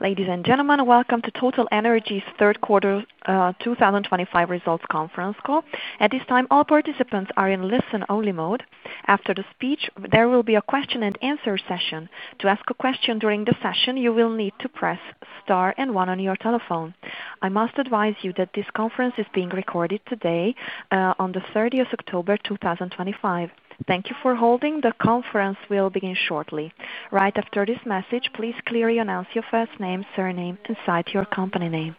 Ladies and gentlemen, welcome to TotalEnergies' Third Quarter 2025 Results Conference Call. At this time, all participants are in listen-only mode. After the speech, there will be a question and answer session. To ask a question during the session, you will need to press star and one on your telephone. I must advise you that this conference is being recorded today on 30th October 2025. Thank you for holding. The conference will begin shortly. Right after this message, please clearly announce your first name, surname, and cite your company name.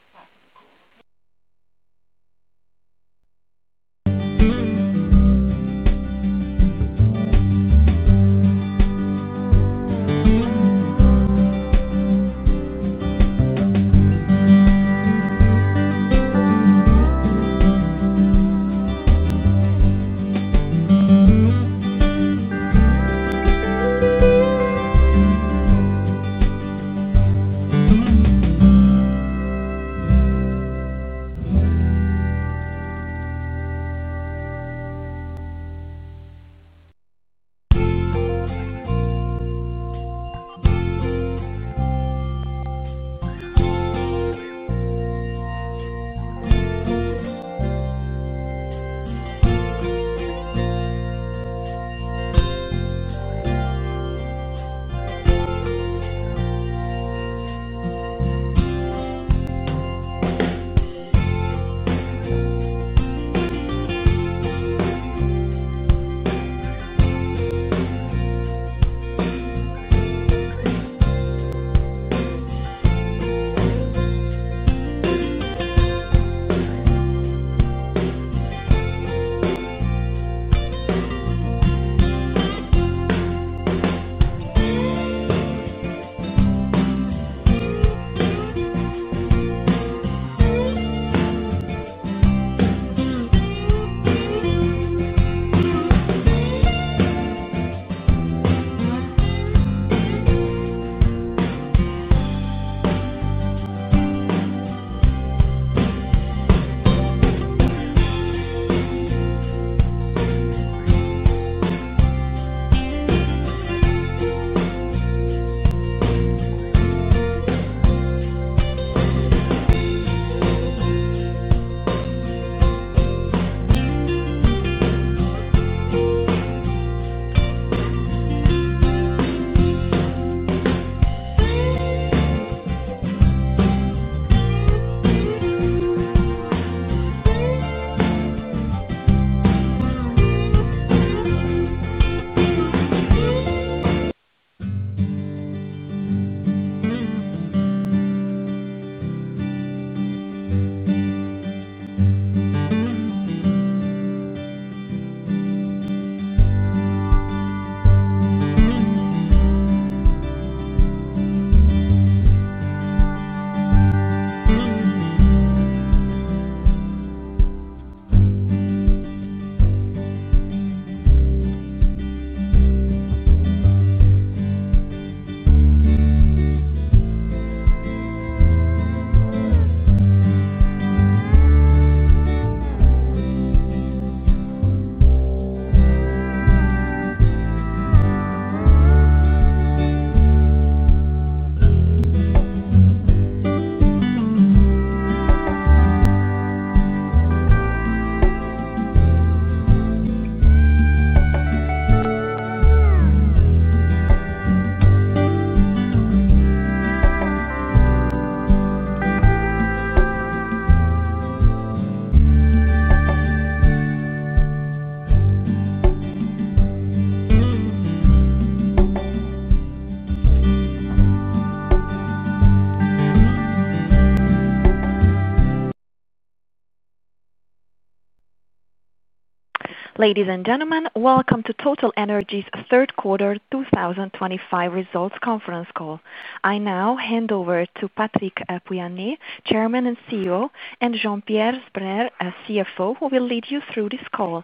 Ladies and gentlemen, welcome to TotalEnergies' Third Quarter 2025 Results Conference Call. I now hand over to Patrick Pouyanné, Chairman and CEO, and Jean-Pierre Sbraire, CFO, who will lead you through the call.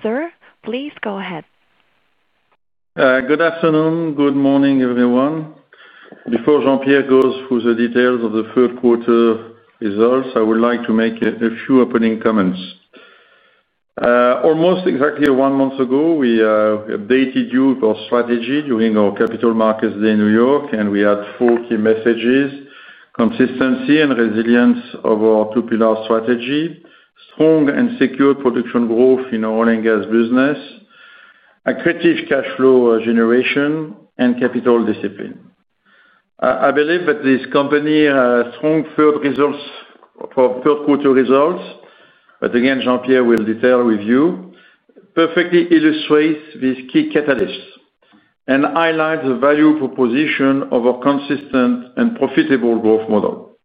Sir, please go ahead. Good afternoon. Good morning everyone. Before Jean-Pierre goes through the details of the third quarter results, I would like to make a few opening comments. Almost exactly one month ago we updated you with our strategy during our capital markets day in New York and we had four key consistency and resilience of our two pillar strategy, strong and secured production growth in our oil and gas business, accretive cash flow generation and capital discipline. I believe that this company has strong third quarter results. Again, Jean-Pierre will detail with you perfectly illustrates these key catalysts and highlights the value proposition of a consistent and profitable growth model.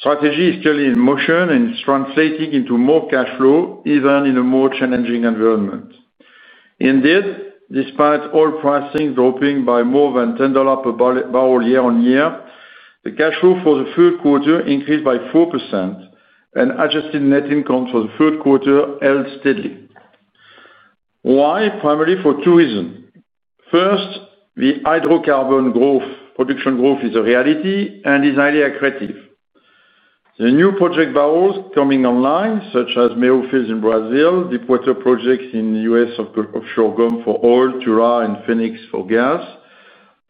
Strategy is clearly in motion and is translating into more cash flow even in a more challenging environment. Indeed, despite oil pricing dropping by more than $10 per barrel year-on-year, the cash flow for the third quarter increased by 4% and adjusted net income for the third quarter held steadily. Why? Primarily for two reasons. First, the hydrocarbon production growth is a reality and is highly accretive. The new project barrels coming online such as Mero fields in Brazil, deepwater projects in the U.S., offshore Gulf for oil, Tura and Phoenix for gas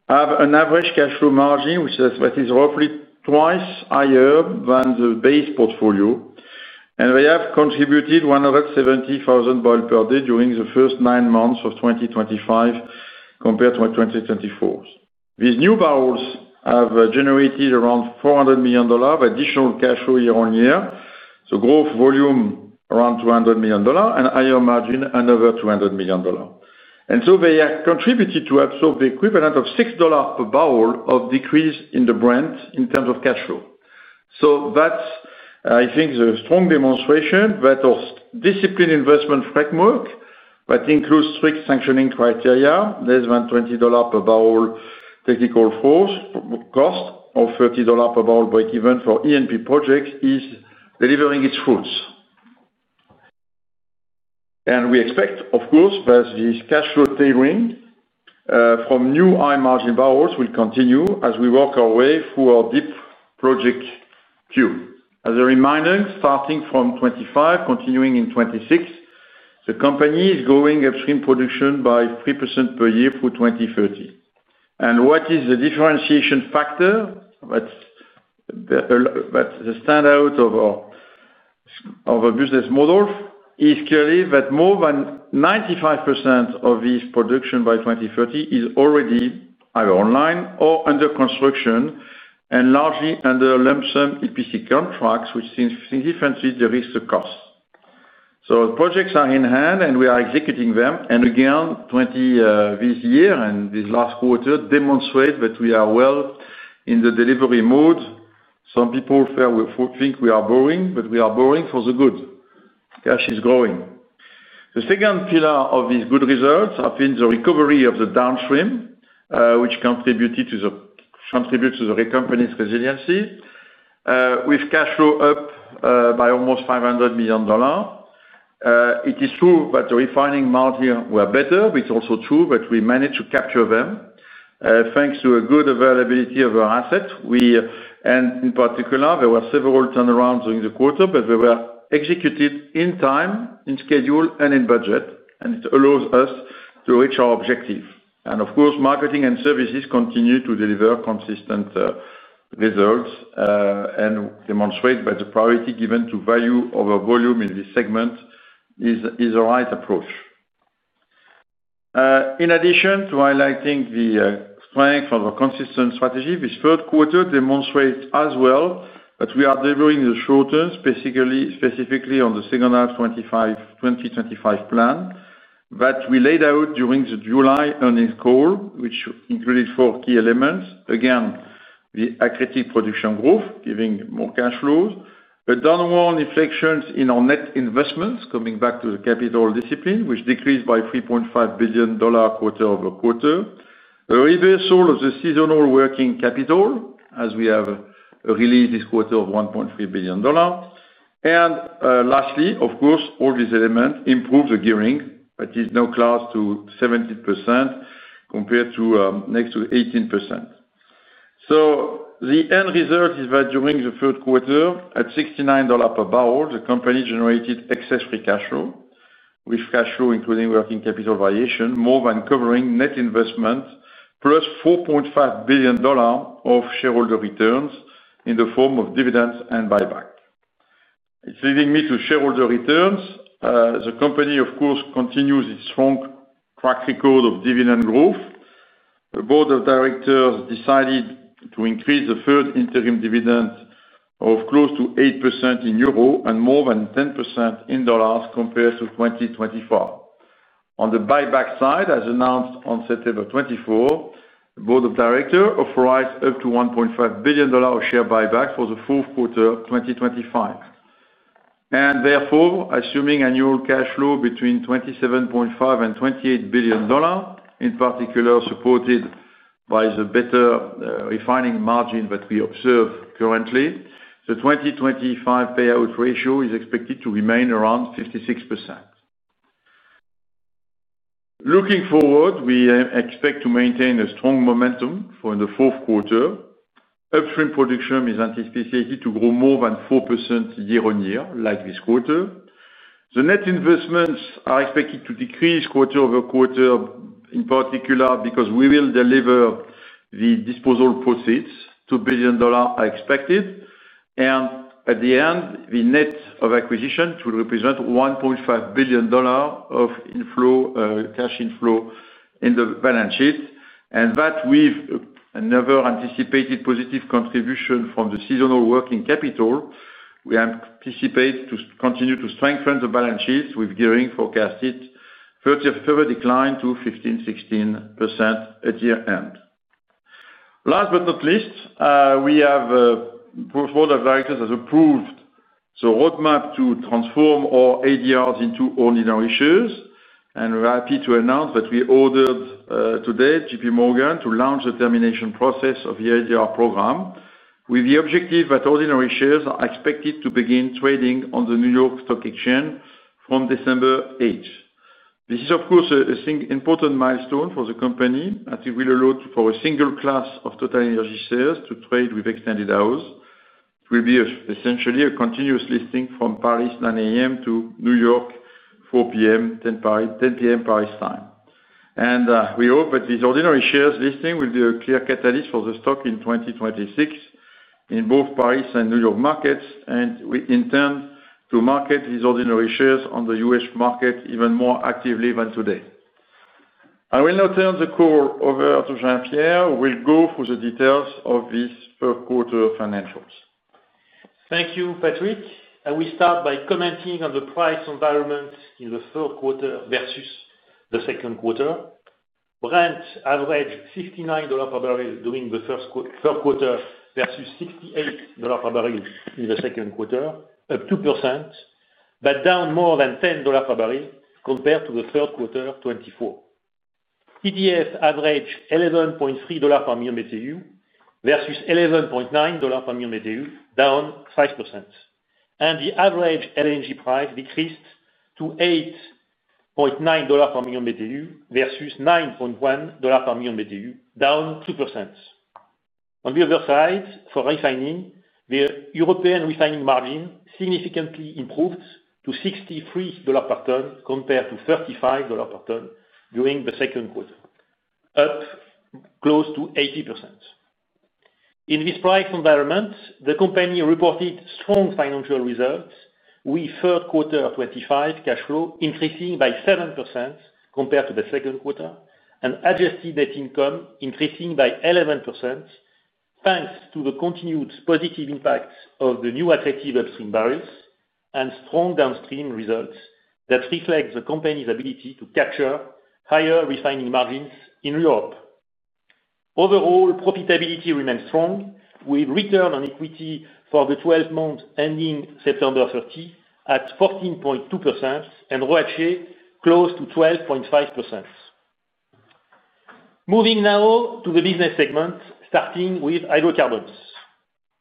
have an average cash flow margin which is roughly twice higher than the base portfolio. They have contributed 170,000 BPD during the first nine months of 2025 compared to 2024. These new barrels have generated around $400 million of additional cash flow year-on-year. Growth volume around $200 million and higher margin another $200 million and they contributed to absorb the equivalent of $6 per barrel of decrease in the Brent in terms of cash flow. I think the strong demonstration that our disciplined investment framework that includes strict sanctioning criteria, less than $20 per barrel technical cost of $30 per barrel breakeven for E&P projects is delivering its fruits and we expect, of course, that this cash flow tailoring from new high margin barrels will continue as we work our way through our deep project queue. As a reminder, starting from 2025, continuing in 2026, the company is growing upstream production by 3% per year for 2030. What is the differentiation factor that stands out of our business model is clearly that more than 95% of this production by 2030 is already either online or under construction, and largely under lump sum EPC contracts, which significantly derisks the cost. Projects are in hand and we are executing them. Again, 2023 this year and this last quarter demonstrate that we are well in the delivery mode. Some people think we are borrowing, but we are borrowing for the good. Cash is growing. The second pillar of these good results has been the recovery of the downstream, which contributes to the company's resiliency, with cash flow up by almost $500 million. It is true that the refining margin was better, which is also true, but we managed to capture them thanks to a good availability of our assets. In particular, there were several turnarounds during the quarter, but they were executed in time, on schedule, and on budget. It allows us to reach our objective. Of course, Marketing and Services continue to deliver consistent results and demonstrate that the priority given to value-over-volume in this segment is the right approach. In addition to highlighting the strength of our consistent strategy, this third quarter demonstrates as well that we are delivering in the short term, specifically on the second half 2025 plan that we laid out during the July earnings call, which included four key elements. Again, the accretive production growth, giving more cash flows, a downward inflection in our net investments, coming back to the capital discipline, which decreased by $3.5 billion quarter-over-quarter, a reversal of the seasonal working capital, as we have released this quarter of $1.3 billion. Lastly, all these elements improve the gearing that is now close to 17% compared to next to 18%. The end result is that during the third quarter, at $69 per barrel, the company generated excess free cash flow, with cash flow including working capital variation more than covering net investment, plus $4.5 billion of shareholder returns in the form of dividends and buyback. This leads me to shareholder returns. The company, of course, continues its strong track record of dividend growth. The Board of Directors decided to increase the third interim dividend by close to 8% in euro and more than 10% in dollars compared to 2024. On the buyback side, as announced on September 24, the Board of Directors authorized up to $1.5 billion of share buyback for the fourth quarter 2025 and therefore, assuming annual cash flow between $27.5 billion and $28 billion. In particular, supported by the better refining margin that we observe currently, the 2025 payout ratio is expected to remain around 56%. Looking forward, we expect to maintain a strong momentum for the fourth quarter. Upstream production is anticipated to grow more than 4% year-on-year. Like this quarter, the net investments are expected to decrease quarter-over-quarter, in particular because we will deliver the disposal proceeds, $2 billion expected, and at the end the net of acquisitions will represent $1.5 billion of cash inflow in the balance sheet, with another anticipated positive contribution from the seasonal working capital. We anticipate to continue to strengthen the balance sheet with gearing forecasted February 30th to decline to 15%-16% at year end. Last but not least, the Board of Directors has approved the roadmap to transform our ADRs into ordinary shares. We're happy to announce that we ordered today JPMorgan to launch the termination process of the ADR program, with the objective that ordinary shares are expected to begin trading on the New York Stock Exchange from December 8th. This is of course an important milestone for the company as it will allow for a single class of TotalEnergies shares to trade with extended hours. It will be essentially a continuous listing from Paris 9:00 A.M. to New York 4:00 P.M., 10:00 P.M. Paris time. We hope that these ordinary shares listing will be a clear catalyst for the stock in 2026 in both Paris and New York markets. We intend to market these ordinary shares on the U.S. market even more actively than today. I will now turn the call over to Jean-Pierre, who will go through the details of these first quarter financials. Thank you, Patrick. I will start by commenting on the price environment in the third quarter versus the second quarter. Brent averaged $59 per barrel during the third quarter versus $68 per barrel in the second quarter, up 2% but down more than $10 per barrel compared to the third quarter. 2024 ETF averaged $11.3 per million versus $11.9 per MMBtu, down 5%, and the average LNG price decreased to $8.9 per million BTU versus $9.1 per million BTU, down 2%. On the other side, for refining, the European refining margin significantly improved to $63 per tonne compared to $35 per tonne during the second quarter, up close to 80%. In this price environment, the company reported strong financial results with third quarter 2025 cash flow increasing by 7% compared to the second quarter, adjusted net income increasing by 11%, thanks to the continued positive impact of the new attractive upstream barriers and strong downstream results that reflect the company's ability to capture higher refining margins in Europe. Overall profitability remains strong with return on equity for the 12 months ending September 30th at 14.2% and ROE close to 12.5%. Moving now to the business segments, starting with hydrocarbons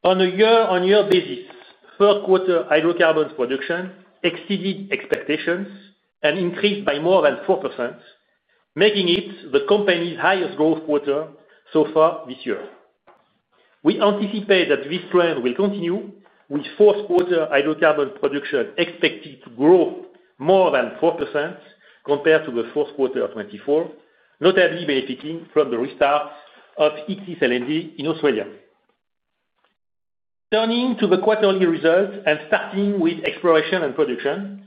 on a year-on-year basis, first quarter hydrocarbons production exceeded expectations and increased by more than 4%, making it the company's highest growth quarter so far this year. We anticipate that this trend will continue with fourth quarter hydrocarbon production expected to grow more than 4% compared to 4Q2024, notably benefiting from the restart of Ichthys LNG in Australia. Turning to the quarterly results and starting with exploration and production,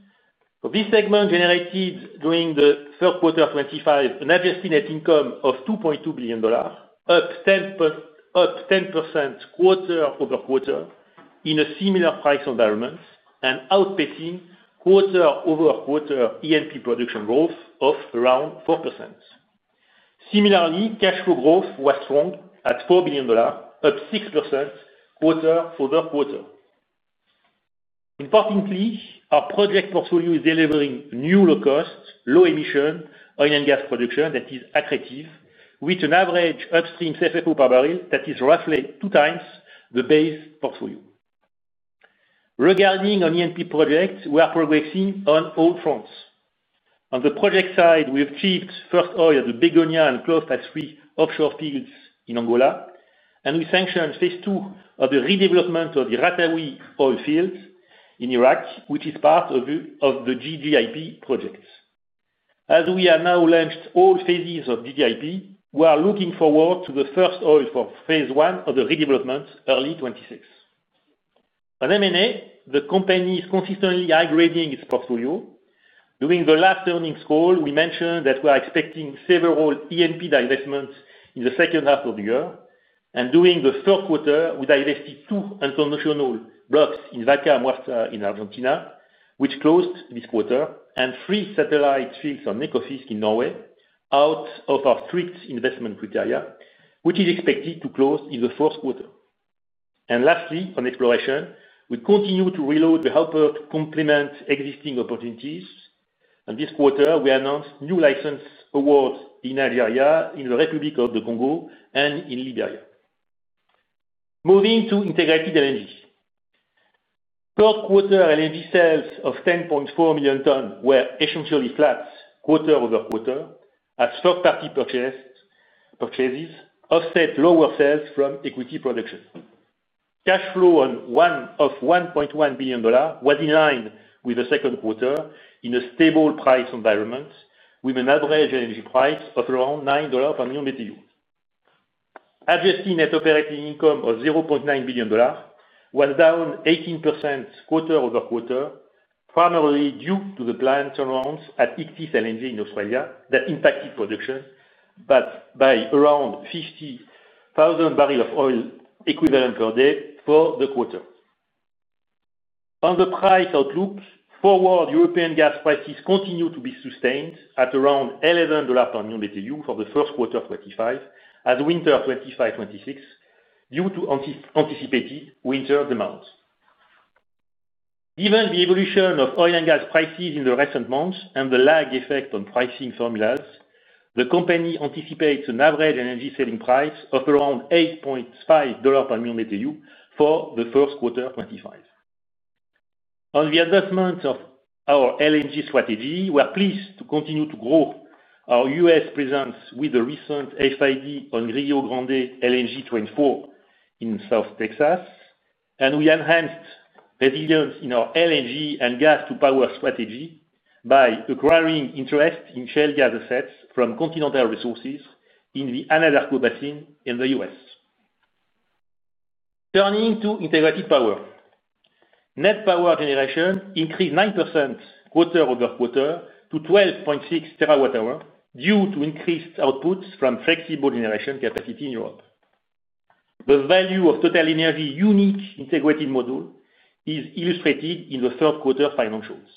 this segment generated during 3Q 2025 an adjusted net income of $2.2 billion, up 10% quarter-over-quarter in a similar price environment and outpacing quarter-over-quarter E&P production growth of around 4%. Similarly, cash flow growth was strong at $4 billion, up 6% quarter-over-quarter. Importantly, our project portfolio is delivering new low-cost, low-emission oil and gas production that is accretive with an average upstream CFPO per barrel that is roughly two times the base portfolio. Regarding an E&P project, we are progressing on all fronts. On the project side, we achieved first oil at the Begonia and closed phase three offshore fields in Angola, and we sanctioned phase two of the redevelopment of the Ratawi oil field in Iraq, which is part of the GGIP projects. As we have now launched all phases of DDIP, we are looking forward to the first oil for phase one of the redevelopment early 2026 at M&A. The company is consistently high grading its portfolio. During the last earnings call we mentioned that we are expecting several E&P divestments in the second half of the year. During the third quarter we divested two unconditional blocks in Vaca Muerta in Argentina, which closed this quarter, and three satellite fields on Ekofisk in Norway, out of our strict investment criteria, which is expected to close in the fourth quarter. Lastly, on exploration, we continue to reload the hopper to complement existing opportunities, and this quarter we announced new license awards in Algeria, in the Republic of the Congo, and in Liberia. Moving to integrated LNG, third quarter LNG sales of 10.4 million tonnes were essentially flat quarter-over-quarter as third party purchases offset lower sales from equity production. Cash flow of $1.1 billion was in line with the second quarter in a stable price environment with an average energy price of around $9. Adjusted net operating income of $0.9 billion was down 18% quarter-over-quarter, primarily due to the planned turnarounds at Ichthys LNG in Australia that impacted production by around 50,000 BPD of oil for the quarter. On the price outlook forward, European gas prices continue to be sustained at around $11 per MMBtu for 1Q 2025 and winter 2025-2026 due to anticipated winter demand. Given the evolution of oil and gas prices in recent months and the lag effect on pricing formulas, the company anticipates an average energy selling price of around $8.50 per MMBtu for the first quarter 2025. On the adjustment of our LNG strategy, we are pleased to continue to grow our U.S. presence with the recent FID on Rio Grande LNG in 2024 in South Texas, and we enhanced resilience in our LNG and gas to power strategy by acquiring interest in shale gas assets from Continental Resources in the Anadarko Basin in the U.S. Turning to integrated power, net power generation increased 9% quarter-over-quarter to 12.6 TWh due to increased outputs from flexible generation capacity in Europe. The value of TotalEnergies' unique integrated model is illustrated in the third quarter financials.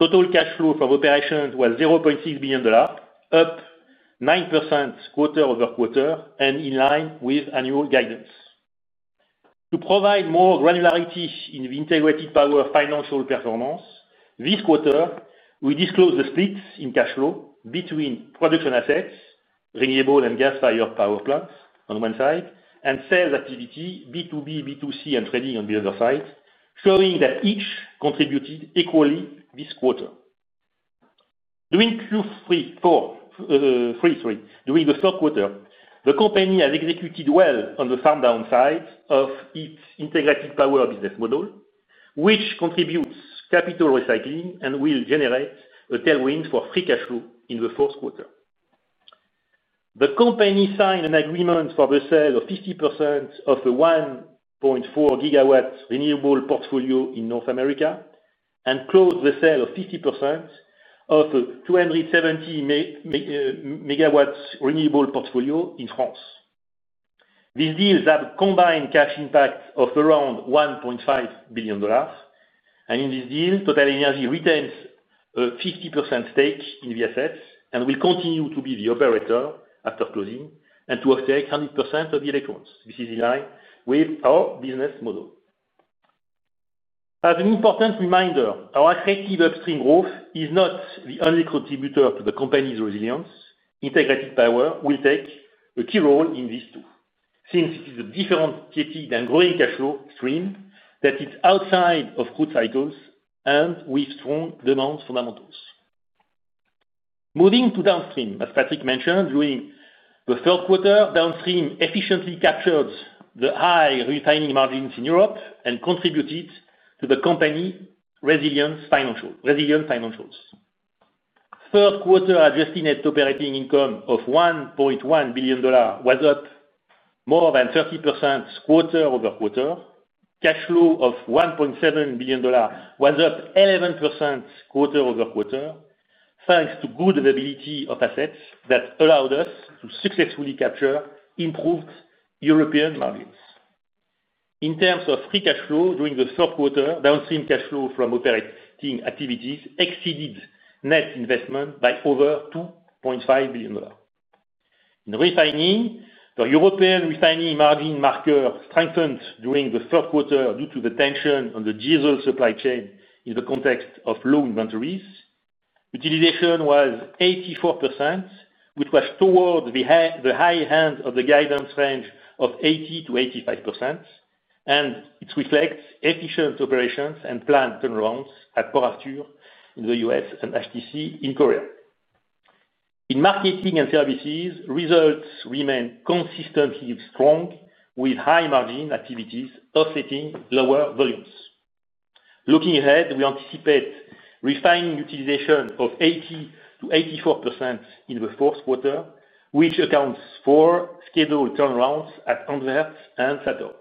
Total cash flow from operations was $0.6 billion, up 9% quarter-over-quarter and in line with annual guidance. To provide more granularity in the integrated power financial performance. This quarter we disclosed the split in cash flow between production assets, renewable and gas-fired power plants on one side and sales activity B2B, B2C, and trading on the other side, showing that each contributed equally this quarter during Q3, Q4. During the third quarter the company has executed well on the downside of the integrated power business model which contributes capital recycling and will generate a tailwind for free cash flow in the fourth quarter. The company signed an agreement for the sale of 50% of the 1.4 GW renewable portfolio in North America and closed the sale of 50% of a 270 MW renewable portfolio in France. These deals have a combined cash impact of around $1.5 billion and in this deal TotalEnergies retains a 50% stake in the assets and will continue to be the operator after closing and to offset 100% of the electrons. This is in line with our business model. As an important reminder, our effective upstream growth is not the only contributor to the company's resilience. Integrated power will take a key role in this too since it is a different city than growing cash flow stream that is outside of crude cycles and with strong demand fundamentals. Moving to downstream, as Patrick mentioned, during the third quarter downstream efficiently captured the high refining margins in Europe and contributed to the company resilient financials. Third quarter adjusted net operating income of $1.1 billion was up more than 30% quarter-over-quarter. Cash flow of $1.7 billion was up 11% quarter-over-quarter thanks to good availability of assets that allowed us to successfully capture improved European margins. In terms of free cash flow, during the third quarter downstream cash flow from operating activities exceeded net investment by over $2.5 billion in refining. The European refining margin marker strengthened during the third quarter due to the tension on the diesel supply chain. In the context of low inventories, utilization was 84% which was towards the high end of the guidance range of 80%-85% and it reflects efficient operations and planned turnarounds at Port Arthur in the U.S. and HTC in Korea. In marketing and services, results remain consistently strong with high margin activities offsetting lower volumes. Looking ahead, we anticipate refined utilization of 80%-84% in the fourth quarter which accounts for scheduled turnarounds at Antwerp and Satorp.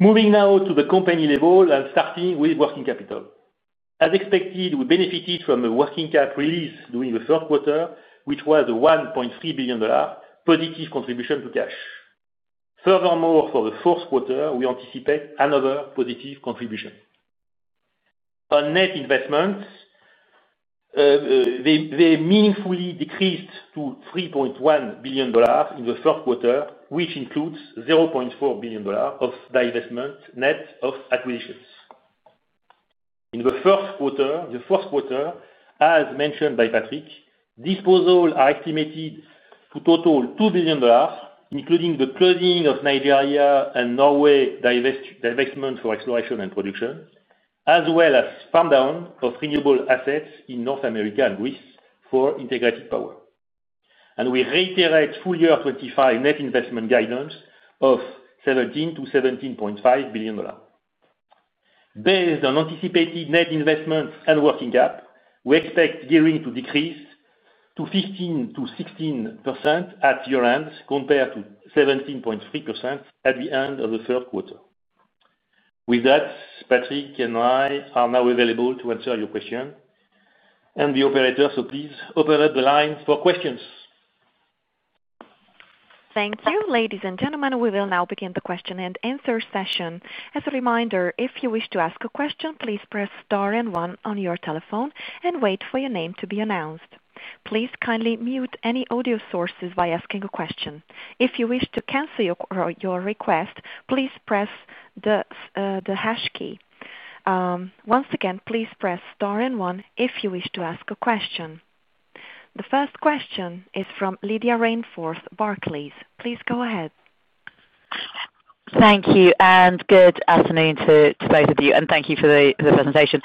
Moving now to the company level and starting with working capital, as expected, we benefited from the working cap release during the third quarter, which was a $1.3 billion positive contribution to cash. Furthermore, for the fourth quarter, we anticipate another positive contribution on net investments. They meaningfully decreased to $3.1 billion in the first quarter, which includes $0.4 billion of divestment net of acquisitions in the fourth quarter. As mentioned by Patrick, disposals are estimated to total $2 billion, including the closing of Nigeria and Norway divestment for exploration and production, as well as spend down of renewable assets in North America and Greece for integrated power, and we reiterate full year 2025 net investment guidance of $17 billion-$17.5 billion. Based on anticipated net investments and working cap, we expect gearing to decrease to 15%-16% at year end compared to 17.3% at the end of the third quarter. With that, Patrick and I are now available to answer your question and the operator, so please open up the line for questions. Thank you, ladies and gentlemen. We will now begin the question and answer session. As a reminder, if you wish to ask a question, please press star 1 on your telephone and wait for your name to be announced. Please kindly mute any audio sources before asking a question. If you wish to cancel your request, please press the hash key. Once again, please press 1 if you wish to ask a question. The first question is from Lydia Rainforth, Barclays. Please go ahead. Thank you and good afternoon to both of you, and thank you for the presentation.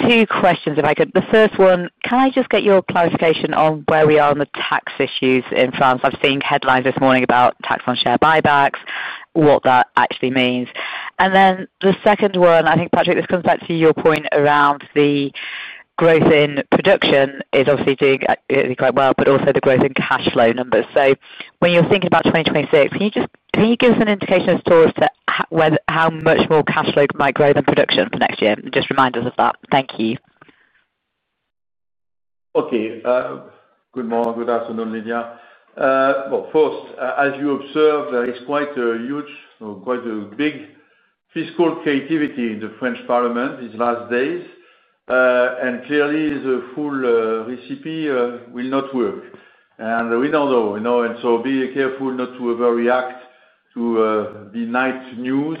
Two questions, if I could. The first one, can I just get your clarification on where we are on the tax issues in France? I've seen headlines this morning about tax on share buybacks, what that actually means. The second one, I think, Patrick, this comes back to your point around the growth in production is obviously doing quite well, but also the growth in cash flow numbers. When you're thinking about 2026, can you give us an indication as to how much more cash flow might grow than production for next year? Just remind us of that. Thank you. Okay. Good morning. Good afternoon, Lydia. First, as you observe, there is quite a huge or quite a big fiscal creativity in the French Parliament these last days. Clearly, the full recipe will not work. We don't know. Be careful not to overreact to the night news.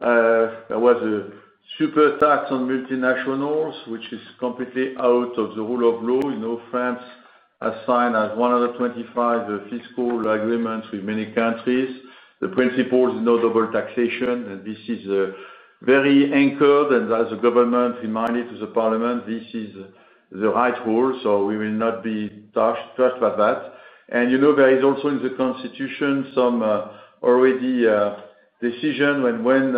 There was a super tax on multinationals which is completely out of the rule of law. France has signed 125 fiscal agreements with many countries. The principle is no double taxation, and this is very anchored. As the government reminded the parliament, this is the right rule, so we will not be touched by that. There is also in the constitution some already decision, and when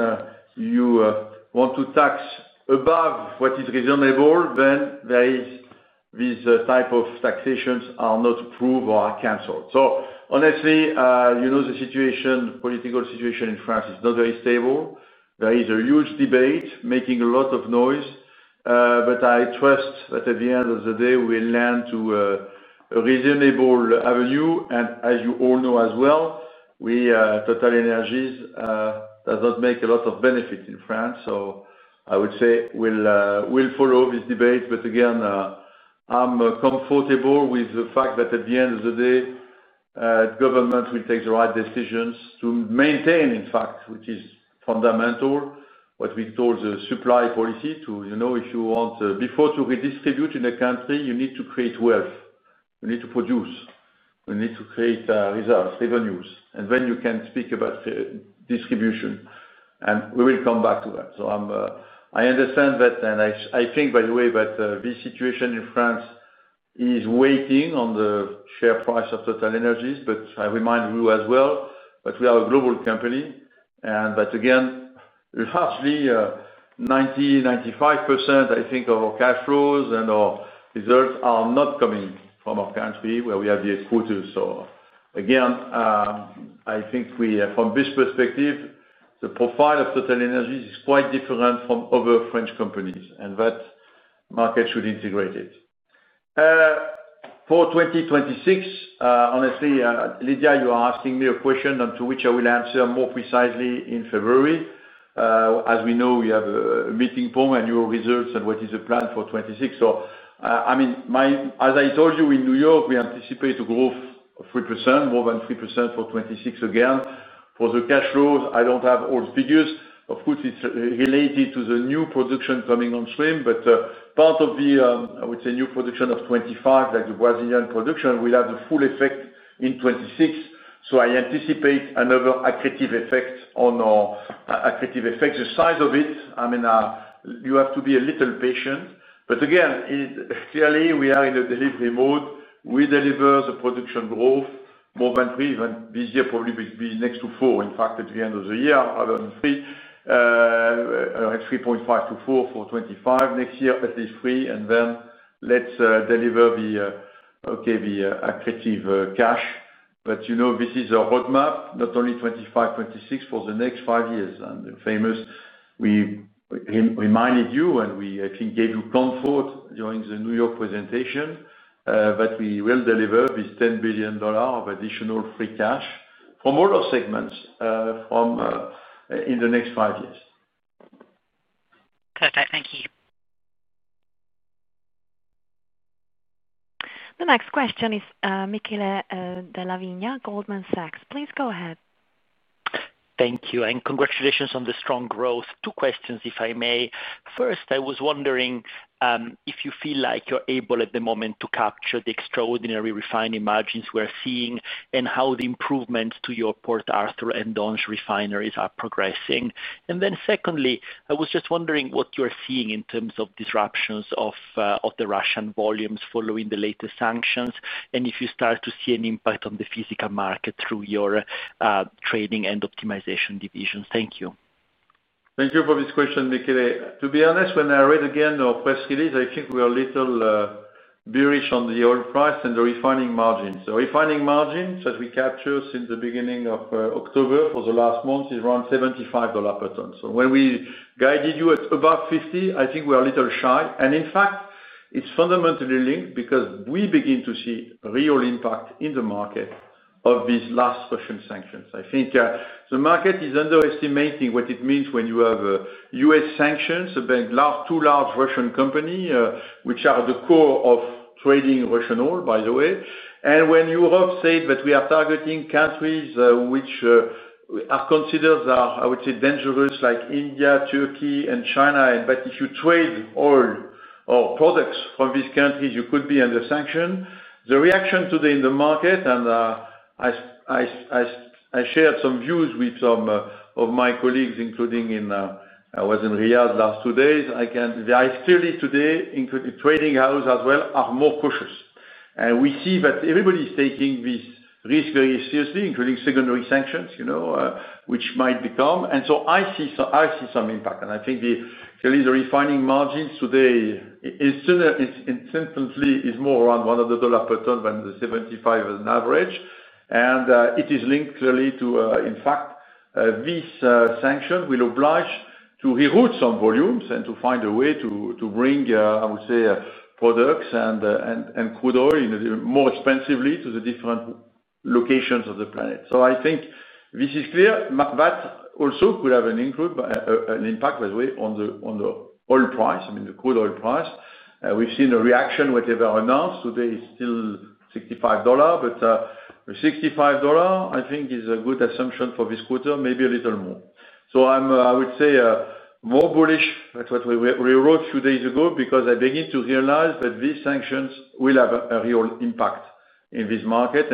you want to tax above what is reasonable, then these types of taxations are not approved or are cancelled. Honestly, the political situation in France is not very stable. There is a huge debate making a lot of noise. I trust that at the end of the day we'll land to a reasonable avenue. As you all know as well, we, TotalEnergies, do not make a lot of benefit in France. I would say we'll follow this debate. Again, I'm comfortable with the fact that at the end of the day, government will take the right decisions to maintain, in fact, which is fundamental, what we call the supply policy. If you want, before you redistribute in a country, you need to create wealth, you need to produce, you need to create results, revenues, and then you can speak about distribution, and we will come back to that. I understand that, and I think, by the way, that this situation in France is weighing on the share price of TotalEnergies. I remind you as well that we are a global company and that, again, largely 90%, 95%, I think, of our cash flows and our results are not coming from our country where we have the headquarters. From this perspective, the profile of TotalEnergies is quite different from other French companies, and the market should integrate it for 2026. Honestly, Lydia, you are asking me a question to which I will answer more precisely in February. As we know, we have a meeting for annual results and what is the plan for 2026. As I told you in New York, we anticipate a growth of 3%, more than 3% for 2026. Again, for the cash flows, I don't have all figures. Of course, it's related to the new production coming on stream. Part of the, I would say, new production of 2025, like the Brazilian production, will have the full effect in 2026. I anticipate another accretive effect on our accretive effect, the size of it. You have to be a little patient. Again, clearly we are in a delivery mode. We deliver the production growth more than 3%, then this year probably will be next to 4. In fact, at the end of the year, other than 3%, 3.5%-4% for 2025 next year, at least 3%. Let's deliver the accretive cash. This is a roadmap, not only 2025, 2026 for the next five years. As we reminded you, and we, I think, gave you comfort during the New York presentation that we will deliver this $10 billion of additional free cash from all our segments in the next five years. Perfect, thank you. The next question is Michele Delavina, Goldman Sachs. Please go ahead. Thank you and congratulations on the strong growth. Two questions, if I may. First, I was wondering if you feel like you're able at the moment to capture the extraordinary refining margins we're seeing, and how the improvements to your Port Arthur and Donges refineries are progressing. Secondly, I was just wondering what you're seeing in terms of disruptions of the Russian volumes following the latest sanctions, and if you start to see an impact on the physical market through your trading and optimization divisions. Thank you. Thank you for this question, Michele. To be honest, when I read again our press release, I think we are a little bearish on the oil price and the refining margins. The refining margins as we captured since the beginning of October for the last month is around $75 per ton. When we guided you at above $50, I think we are a little shy. In fact, it's fundamentally linked because we begin to see real impact in the market of these last Russian sanctions. I think the market is underestimating what it means when you have U.S. sanctions. Two large Russian companies, which are the core of trading Russian oil, by the way. When Europe said that we are targeting countries which are considered, I would say, dangerous, like India, Turkey, and China. If you trade oil or products from these countries, you could be under sanction. The reaction today in the market, and I shared some views with some of my colleagues, including I was in Riyadh last two days. Clearly, today trading houses as well are more cautious. We see that everybody is taking these, including secondary sanctions, you know, which might become. I see some impact. I think the refining margins today is more around $100 per ton than the $75 on average. It is linked clearly to, in fact, this sanction will oblige to reroute some volumes and to find a way to bring, I would say, products and crude oil more expensively to the different locations of the planet. I think this is clear. That also could have an impact, by the way, on the oil price. I mean the crude oil price. We've seen a reaction. Whatever announced today is still $65. $65 I think is a good assumption for this quarter. Maybe a little more. I would say more bullish. That's what we wrote a few days ago because I begin to realize that these sanctions will have a real impact in this market.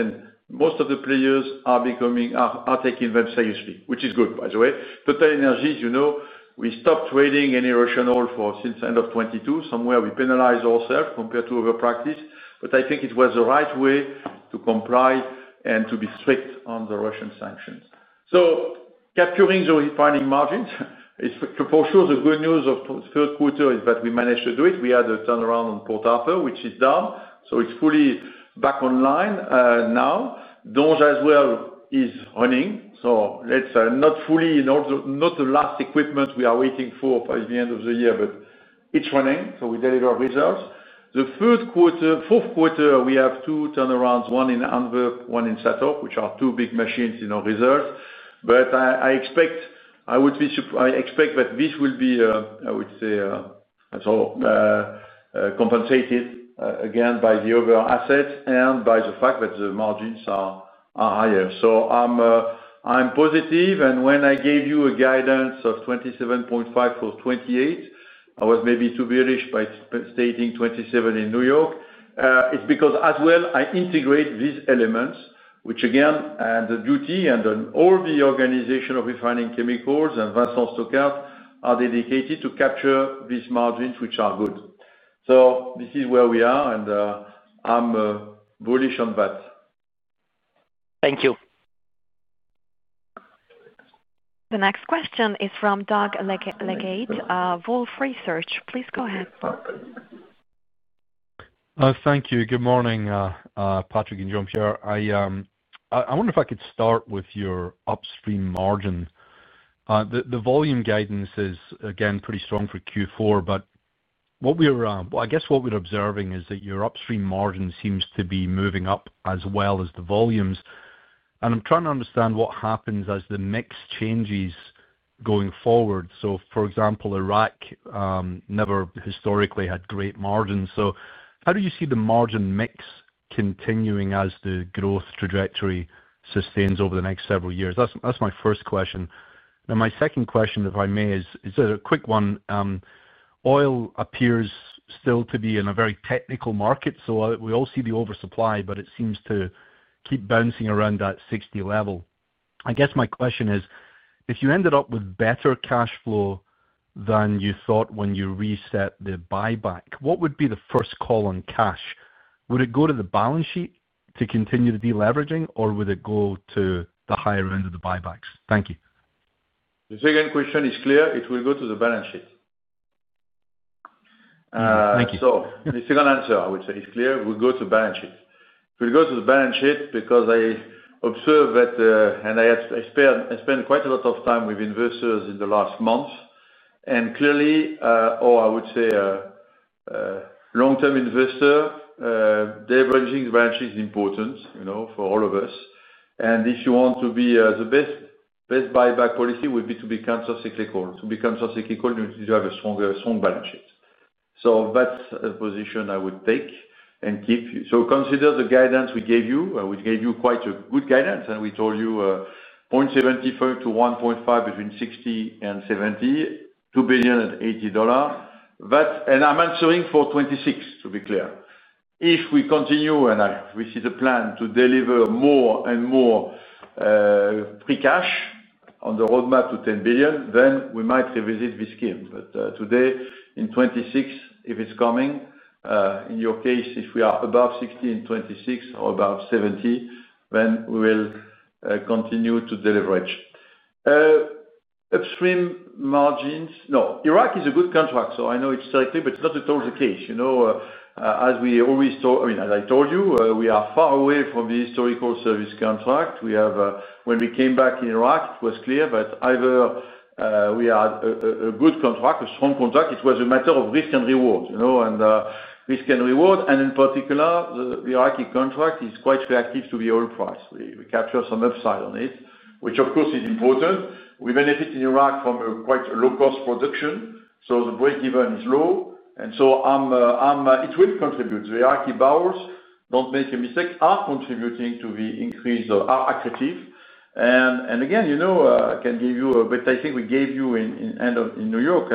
Most of the players are becoming, are taking them. You speak, which is good, by the way. TotalEnergies, you know, we stopped trading any Russian oil since the end of 2022 somewhere. We penalize ourselves compared to other practice. I think it was the right way to comply and to be strict on the Russian sanctions. Capturing the refining margins is for sure. The good news of third quarter is that we managed to do it. We had a turnaround on Port Harper, which is down. It's fully back online now. Donges as well is running. Not fully, not the last equipment we are waiting for by the end of the year, but it's running. We deliver results. In the third quarter and fourth quarter, we have two turnarounds, one in Antwerp, one in Sator, which are two big machines in our results. I expect that this will be, I would say, compensated again by the other assets and by the fact that the margins are higher. I'm positive. When I gave you a guidance of $27.5 for $28, I was maybe too bearish by stating $27 in New York. It's because as well I integrate these elements, which again, the duty and all the organization of refining chemicals are dedicated to capture these margins, which are good. This is where we are, and I'm bullish on that. Thank you. The next question is from Doug Leggate, Wolfe Research. Please go ahead. Thank you. Good morning, Patrick and Jean-Pierre. I wonder if I could start with your upstream margin. The volume guidance is again pretty strong for Q4, but I guess what we're observing is that your upstream margin seems to be moving up as well as the volumes. I'm trying to understand what happens as the mix changes going forward. For example, Iraq never historically had great margins. How do you see the margin mix continuing as the growth trajectory sustains? Over the next several years? That's my first question. My second question, if I may, is a quick one. Oil appears still to be in a very technical market. We all see the oversupply, but it seems to keep bouncing around that $60 level. I guess my question is, if you Ended up with better cash flow than you thought when you reset the buyback, what would be the first call on cash? Would it go to the balance sheet? To continue the deleveraging, or would it go to the higher end of the buybacks? Thank you. The second question is clear, it will go to the balance sheet. Thank you. The second answer I would say is clear, we go to balance sheet. We'll go to the balance sheet. I observed that and I spent quite a lot of time with investors in the last month and clearly, or I would say long term investor day, branching branches is important for all of us. If you want to be, the best buyback policy would be to become, to become cyclical, you need to have a strong balance sheet. That's a position I would take and keep. Consider the guidance we gave you. We gave you quite a good guidance and we told you $0.75-$1.5 between $60 billion and $72 billion and $80 billion. I'm answering for 2026. To be clear, if we continue and we see the plan to deliver more and more free cash on the roadmap to $10 billion, we might revisit this scheme. Today in 2026, if it's coming, in your case, if we are above $16 billion in 2026 or above $70 billion, we will continue to deleverage upstream margins. No, Iraq is a good contract. I know it's likely but it's not at all the case, you know, as we always, I mean as I told you, we are far away from the historical service contract we have. When we came back in Iraq it was clear that either we had a good contract, a strong contract. It was a matter of risk and reward, you know, and risk and reward. In particular the Iraqi contract is quite reactive to the oil price. We capture some upside on it, which of course is important. We benefit in Iraq from quite a low cost production. The break even is low and it will contribute. The Iraqi barrels, don't make a mistake, are contributing to the increase, are accretive. Again, I can give you, but I think we gave you in the end in New York.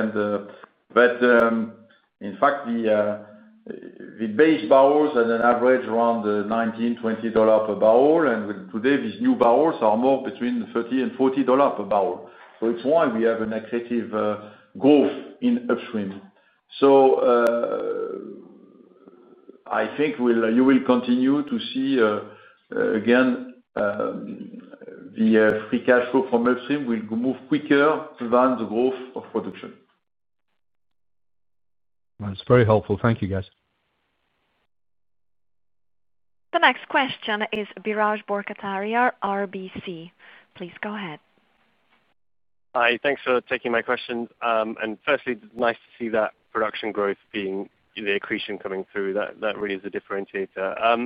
In fact, the base barrels had an average around $19-$20 per barrel. Today these new barrels are more between $30 and $40 per barrel. It's why we have an attractive growth in upstream. So. I think you will continue to see again the free cash flow from upstream will move quicker than the growth of production. That's very helpful, thank you guys. The next question is Biraj Borkhataria, RBC Capital Markets. Please go ahead. Hi, thanks for taking my question. Firstly, nice to see that production growth being the accretion coming through that really is a differentiator.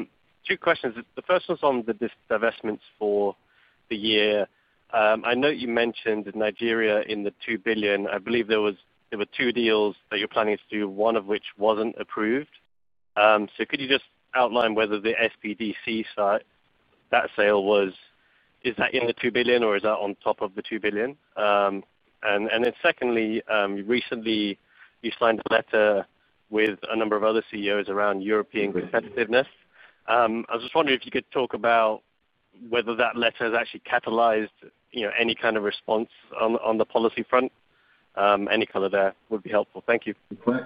Two questions. The first one is on the divestments for the year. I know you mentioned Nigeria. In the $2 billion, I believe there were two deals that you're planning to do, one of which wasn't approved. Could you just outline whether the. That sale was in. The $2 billion, or is that on top of the $2 billion? Secondly, recently you signed a letter with a number of other CEOs around European competitiveness. I was just wondering if you could. Talk about whether that letter has actually. Catalyzed any kind of response on the policy front. Any color there would be helpful. Thank you. What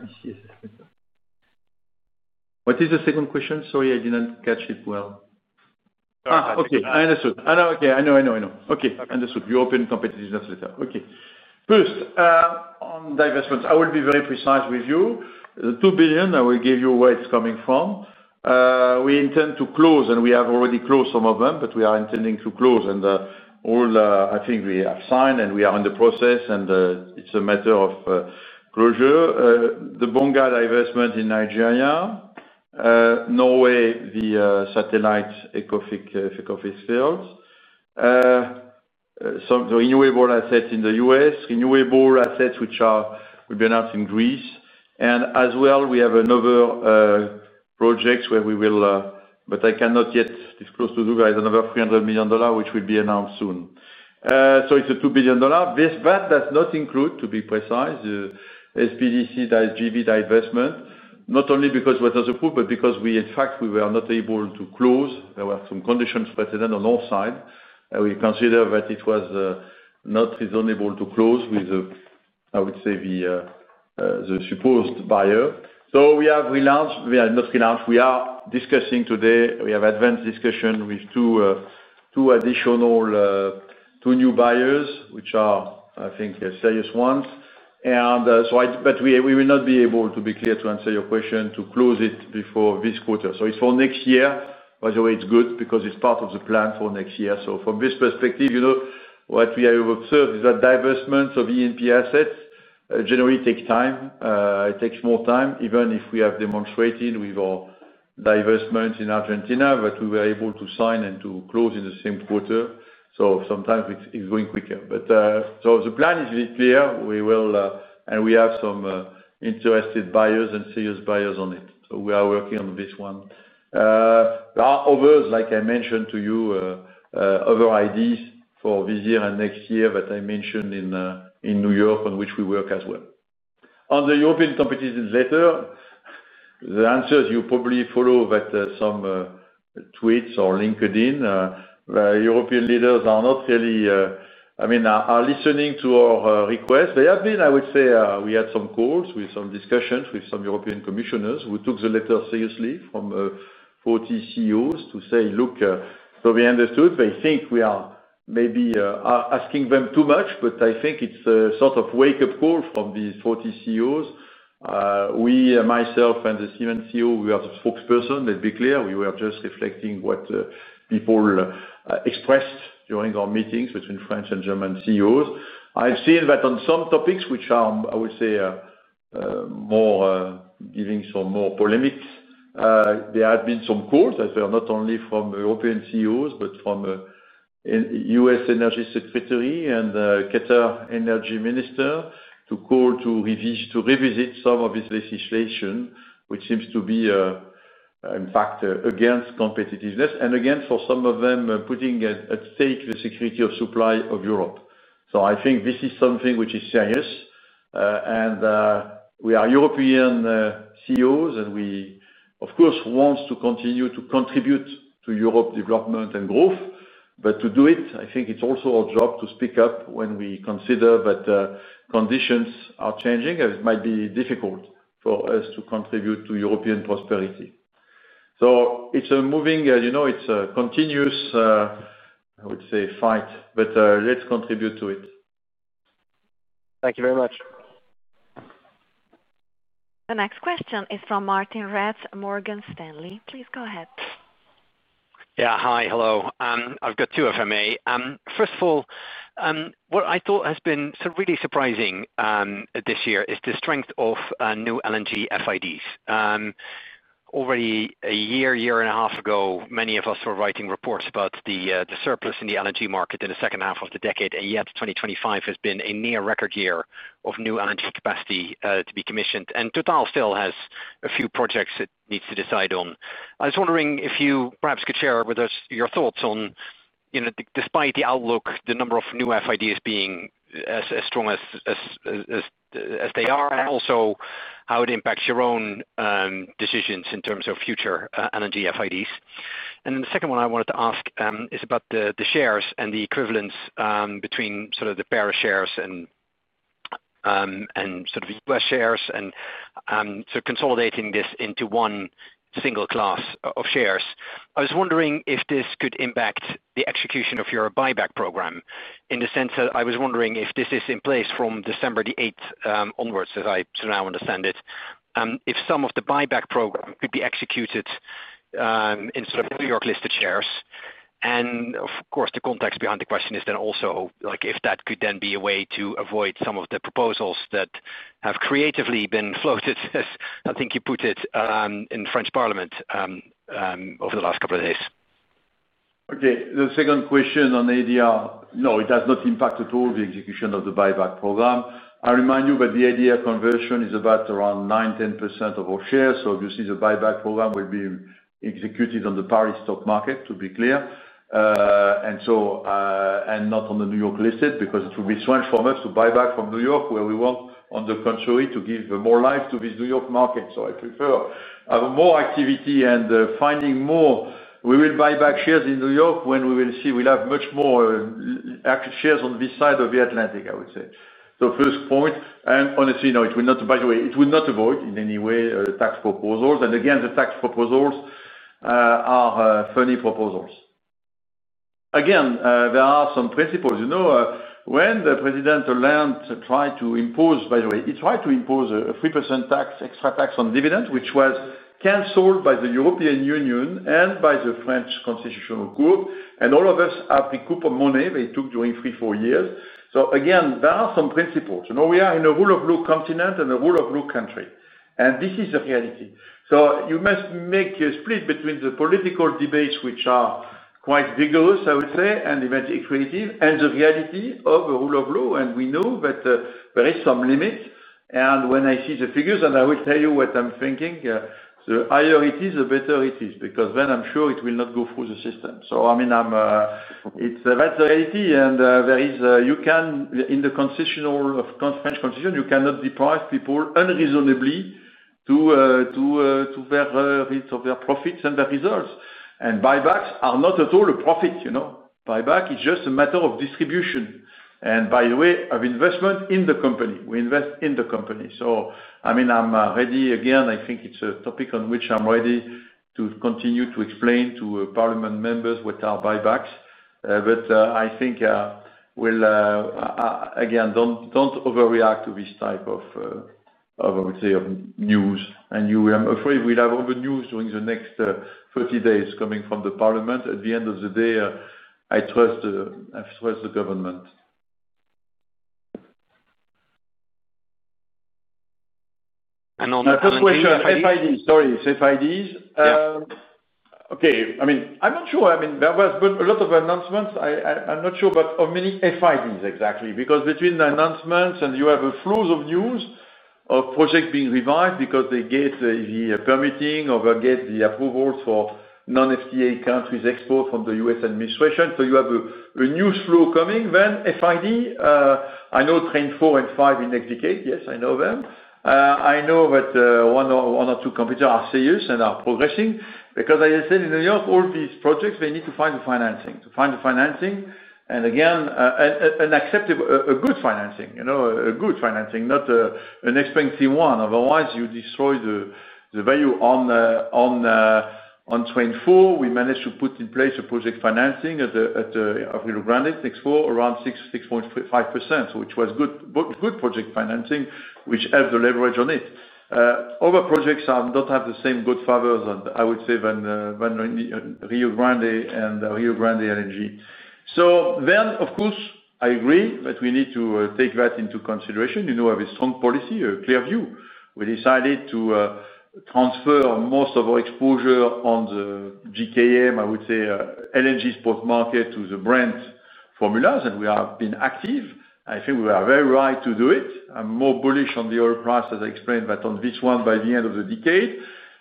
is the second question? Sorry, I didn't catch it. Okay, I understood. I know. Okay, I know, I know, I know. Okay, understood. You open competitiveness later. Okay. First on divestments, I will be very precise with you. The $2 billion. I will give you where it's coming from. We intend to close and we have already closed some of them, but we are intending to close and all I think we have signed and we are in the process and it's a matter of closure. The Bunga divestment in Nigeria, Norway, the satellite Eco fiscal renewable assets in the U.S., renewable assets which will be announced in Greece. As well, we have another project where we will, but I cannot yet disclose to you guys, another $300 million which will be announced soon. So it's a $2 billion that does not include, to be precise, SPDCV divestment, not only because we, but because we, in fact, we were not able to close. There were some conditions precedent on our side. We consider that it was not reasonable to close with, I would say, the supposed buyer. We are discussing today, we have advanced discussion with two additional, two new buyers which are, I think, serious ones. We will not be able to be clear to answer your question, to close it before this quarter. It's for next year, by the way. It's good because it's part of the plan for next year. From this perspective, you know, what we have observed is that divestments of E and P assets generally take time. It takes more time, even if we have demonstrated with our divestment in Argentina that we were able to sign and to close in the same quarter. Sometimes it's going quicker. The plan is very clear and we have some interested buyers and serious buyers on it. We are working on this one. There are others, like I mentioned to you, other ideas for this year and next year that I mentioned in New York on which we work as well. On the European Competition letter, the answer, you probably follow that, some tweets or LinkedIn. European leaders are not really, I mean, are listening to our request. They have been, I would say, we had some calls with some discussions with some European commissioners who took the letter C from 40 CEOs to say, look, so they understood, they think we are maybe asking them too much. I think it's sort of a wake up call from these 40 CEOs. We, myself and the Siemens CEO, we are the spokesperson. Let's be clear. We were just reflecting what people expressed during our meetings between French and German CEOs. I've seen that on some topics which are, I would say, giving some more polemics, there had been some calls that were not only from European CEOs but from U.S. Energy Secretary and Qatar Energy Minister to call to revisit some of this legislation which seems to be in fact against competitiveness and again for some of them putting at stake the security of supply of Europe. I think this is something which is serious and we are European CEOs and we of course want to continue to contribute to Europe development and growth, but to do it, I think it's also our job to speak up when we consider that conditions are changing and it might be difficult for us to contribute to European prosperity. It's a moving, you know, it's a continuous, would say fight, but let's contribute to it. Thank you very much. The next question is from Martijn Rats, Morgan Stanley. Please go ahead. Yeah, hi. Hello. I've got two FMA. First of all, what I thought has been really surprising this year is the strength of new LNG FIDs. Already a year, year and a half ago, many of us were writing reports about the surplus in the LNG market in the second half of the decade. Yet 2025 has been a near record year of new energy capacity to be commissioned and TotalEnergies still has a few projects it needs to decide on. I was wondering if you perhaps could share with us your thoughts on, despite the outlook, the number of new FIDs being as strong as they are, and also how it impacts your own decisions in terms of future LNG FIDs. The second one I wanted to ask is about the shares and the equivalence between sort of the Paris share and sort of U.S. shares and consolidating this into one single class of shares. I was wondering if this could impact the execution of your buyback program in the sense that I was wondering if this is in place from December 8th onwards, as I now understand it, if some of the buyback program could be executed in sort of New York Stock Exchange listed shares. Of course, the context behind the question is then also if that could then be a way to avoid some of the proposals that have creatively been floated, as I think you put it, in French Parliament over the last couple of days. Okay, the second question on ADR, no, it does not impact at all the execution of the buyback program. I remind you that the ADR conversion is about around 9%, 10% of our shares. Obviously, the buyback program will be executed on the Paris stock market, to be clear, and not on the New York listed because it would be strange for us to buy back from New York where we want, on the contrary, to give more life to this New York market. I prefer more activity and finding more. We will buy back shares in New York when we see we'll have much more shares on this side of the Atlantic. I would say the first point, and honestly, no, it will not, by the way, it will not avoid in any way tax proposals. Again, the tax proposals are funny proposals. There are some principles, you know, when President Hollande tried to impose, by the way, he tried to impose 3% tax, extra tax on dividends, which was canceled by the European Union and by the French Constitutional Court. All of us have the coupon money they took during three, four years. There are some principles. We are in a rule of law continent and a rule of law country. This is a reality. You must make a split between the political debates, which are quite vigorous, I would say, and eventually creative, and the reality of the rule of law. We know that there is some limit. When I see the figures, and I will tell you what I'm thinking, the higher it is, the better it is because then I'm sure it will not go through the system. That's the reality. In the French constitution, you cannot deprive people unreasonably to their profits and their results. Buybacks are not at all a profit, you know, buyback, it's just a matter of distribution and by the way of investment in the company, we invest in the company. I'm ready again, I think it's a topic on which I'm ready to continue to explain to Parliament members what are buybacks. I think we'll again, don't overreact to this type of news. I'm afraid we'll have over news during the next 30 days coming from the Parliament. At the end of the day, I trust the government FIDs. Sorry, FIDs. I'm not sure, I mean there has been a lot of announcements, I'm not sure. How many FIDs exactly? Because between the announcements, you have a flow of news of projects being revised because they get the permitting or they get the approval for non-FDA countries export from the U.S. administration. You have a new flow coming, then FID. I know Train 4 and 5 in next decade. Yes, I know them. I know that one or two competitors are serious and are progressing because as I said in the year, all these projects need to find the financing, to find the financing. Again, an acceptable good financing, a good financing, not an expensive one. Otherwise, you destroy the value. On Train 4, we managed to put in place a project financing of Rio Grande 4 around 6.5% which was good project financing, which helped the leverage on it. Other projects do not have the same godfathers, I would say, as Rio Grande and Rio Grande LNG. Of course, I agree that we need to take that into consideration. You know, we have a strong policy, a clear view. We decided to transfer most of our exposure on the GKM, I would say, LNG spot market to the Brent formulas and we have been active. I think we are very right to do it. I'm more bullish on the oil price as I explained, but on this one by the end of the decade,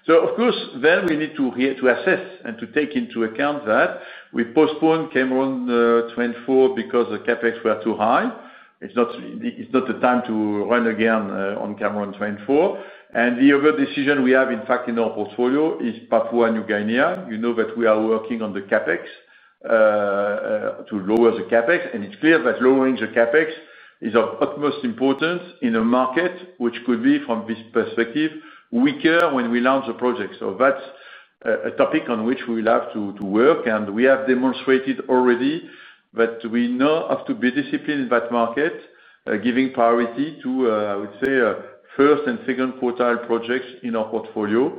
we need to assess and to take into account that we postponed Cameron 24 because the CapEx was too high. It's not the time to run again on Cameron 24. The other decision we have in our portfolio is path one. Eugenia, you know that we are working on the CapEx to lower the CapEx and it's clear that lowering the CapEx is of utmost importance in a market which could be from this perspective weaker when we launch a project. That's a topic on which we will have to work and we have demonstrated already, but we know how to be disciplined in that market, giving priority to, I would say, first and second quartile projects in our portfolio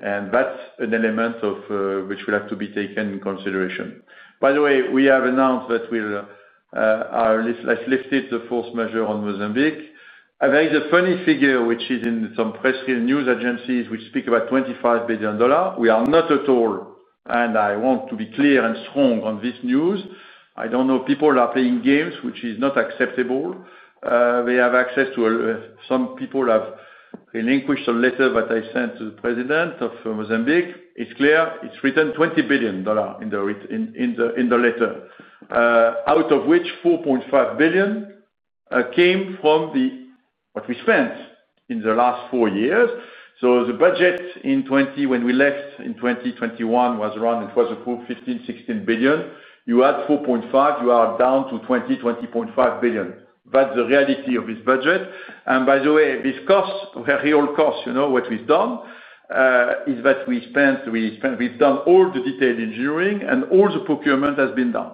and that's an element which will have to be taken into consideration. By the way, we have announced that we'll lift it. The fourth measure on Mozambique, there is a funny figure which is in some press news agencies which speak about $25 billion. We are not at all, and I want to be clear and strong on this news. I don't know, people are playing games which is not acceptable. They have access to, some people have relinquished a letter that I sent to the President of Mozambique. It's clear, it's written $20 billion in the letter, out of which $4.5 billion came from what we spent in the last four years. The budget when we left in 2021 was around, it was a group $15 billion, you add $4.5 billion, you are down to $20 billion, $20.5 billion. That's the reality of this budget. By the way, this cost, very old cost, you know what we've done is that we spent, we've done all the detailed engineering and all the procurement has been done.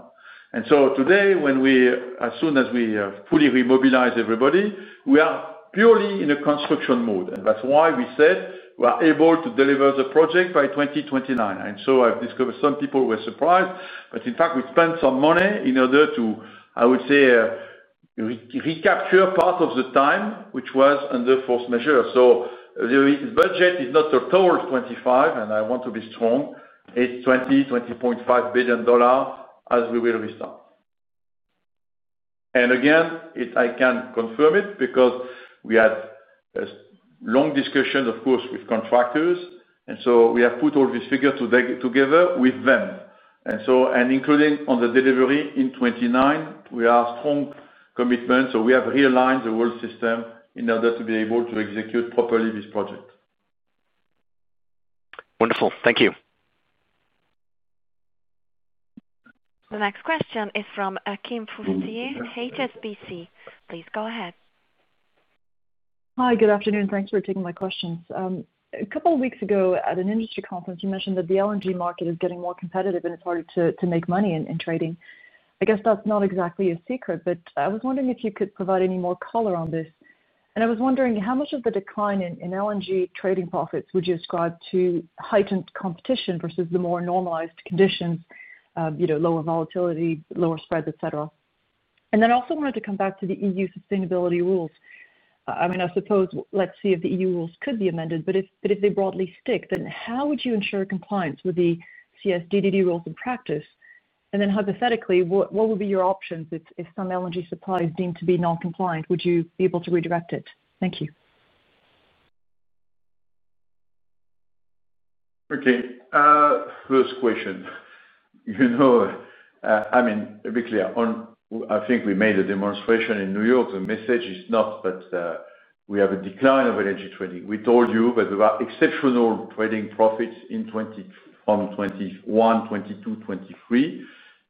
Today, as soon as we fully re-mobilize everybody, we are purely in a construction mode and that's why we said we are able to deliver the project by 2029. I've discovered something, some people were surprised, but in fact we spent some money in order to, I would say, recapture part of the time which was under force measures. The budget is not a total $25 billion and I want to be strong. It's $20 billion, $20.5 billion as we will restart. Again, I can confirm it because we had long discussions of course with contractors. We have put all these figures together with them and including on the delivery in 2029, we have strong commitment so we have realigned the whole system in order to be able to execute properly this project. Wonderful, thank you. The next question is from Akim at HSBC. Please go ahead. Hi, good afternoon. Thanks for taking my questions. A couple of weeks ago at an industry conference you mentioned that the LNG market is getting more competitive and it's harder to make money in trading. I guess that's not exactly a secret, but I was wondering if you could provide any more color on this. I was wondering how much of the decline in LNG trading profits would you ascribe to heightened competition versus the more normalized conditions, you know, lower volatility, lower spreads, etc. I also wanted to come back to the EU sustainability rules. I suppose let's see if the EU rules could be amended, but if they broadly stick, how would you ensure compliance with the CSDD rules in practice? Hypothetically, what would be your options if some LNG supply is deemed to be non-compliant, would you be able to redirect it? Thank you. Okay, first question. To be clear, I think we made a demonstration in New York. The message is not that we have a decline of energy trading. We told you that there are exceptional trading profits from 2021, 2022, 2023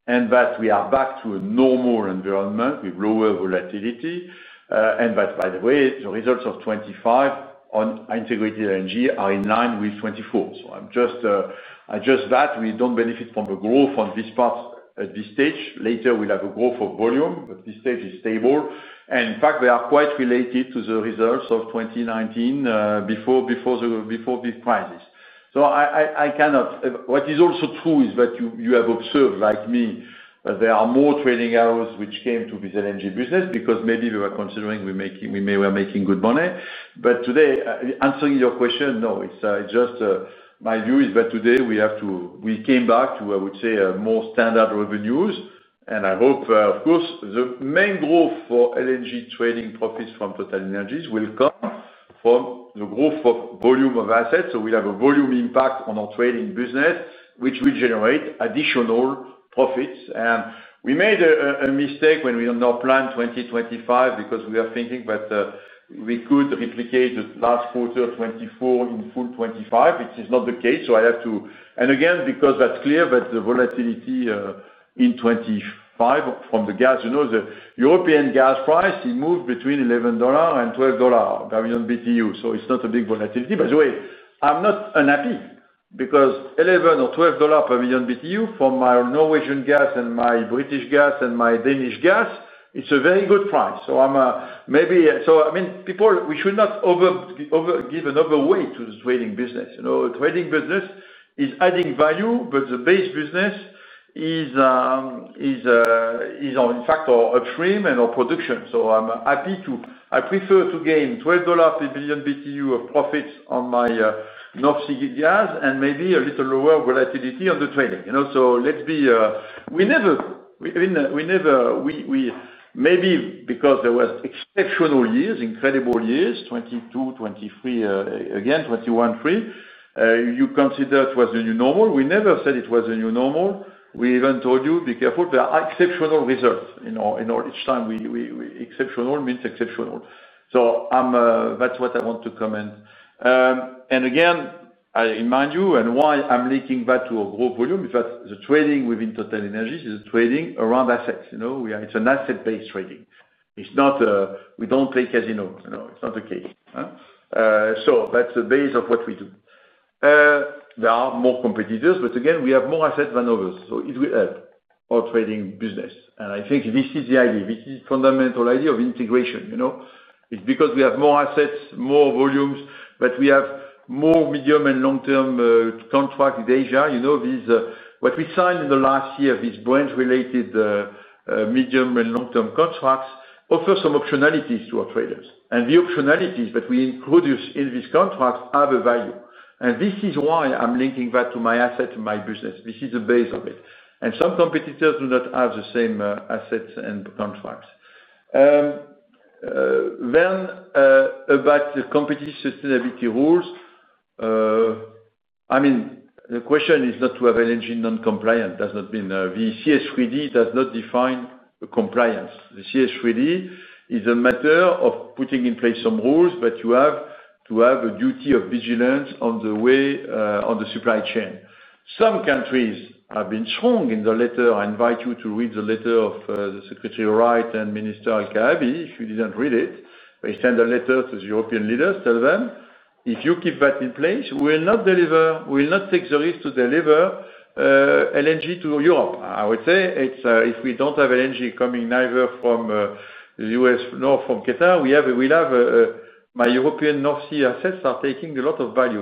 and that we are back to a normal environment with lower volatility. By the way, the results of 2025 on integrated LNG are in line with 2024. I'm just saying that we don't benefit from the growth on this part at this stage. Later we'll have a growth of volume, but at this stage it is stable and in fact they are quite related to the results of 2019 before the big crisis. What is also true is that you have observed like me, there are more trading arrows which came to this LNG business because maybe they were considering we were making good money. Today, answering your question, no, it's just my view is that today we came back to, I would say, more standard revenues and I hope of course the main growth for LNG trading profits from TotalEnergies will come from the growth of volume of assets. We'll have a volume impact on our trading business which will generate additional profits. We made a mistake when we planned 2025 because we were thinking that we could replicate the last quarter 2024 in full 2025, which is not the case. Again, that's clear. The volatility in 2025 from the gas, you know the European gas price, it moved between $11 and $12 per million BTU. It's not a big volatility. By the way, I'm not unhappy because $11 or $12 per million BTU from my Norwegian gas and my British gas and my Danish gas, it's a very good price. Maybe people, we should not give another way to the trading business. Trading business is adding value but the base business is in fact our upstream and our production. I prefer to gain $12 per million BTU of profits on my Norwegian gas and maybe a little lower volatility on the trading. Let's be clear. We never, maybe because there were exceptional years, incredible years, 2022, 2023, again, 2021, you considered it was the new normal. We never said it was a new normal. We even told you be careful. There are exceptional results each time. Exceptional means exceptional. That's what I want to comment and again I remind you and why I'm linking that to a growth volume. The trading within TotalEnergies is trading around assets. It's an asset-based trading. It's not. We don't take, as you know, it's not the case. That's the base of what we do. There are more competitors, but again, we have more assets than others. It will help our trading business. I think this is the idea, this is the fundamental idea of integration. It's because we have more assets, more volumes, but we have more medium and long-term contracts with Asia. You know what we signed in the last year. These branch-related medium and long-term contracts offer some optionalities to our traders, and the optionalities that we introduce in these contracts have a value. This is why I'm linking that to my asset, to my business. This is the base of it. Some competitors do not have the same assets and contracts. About the competitive sustainability rules, the question is not to have LNG non-compliant. It does not mean the CS3D does not define compliance. The CS3D is a matter of putting in place some rules, but you have to have a duty of vigilance on the supply chain. Some countries have been strong. I invite you to read the letter of the Secretary of Right and Minister Al Kaabi. If you didn't read it, they sent a letter to the European leaders telling them if you keep that in place, we will not take the risk to deliver LNG to Europe. I would say if we don't have LNG coming neither from the U.S. nor from Qatar, my European North Sea assets are taking a lot of value.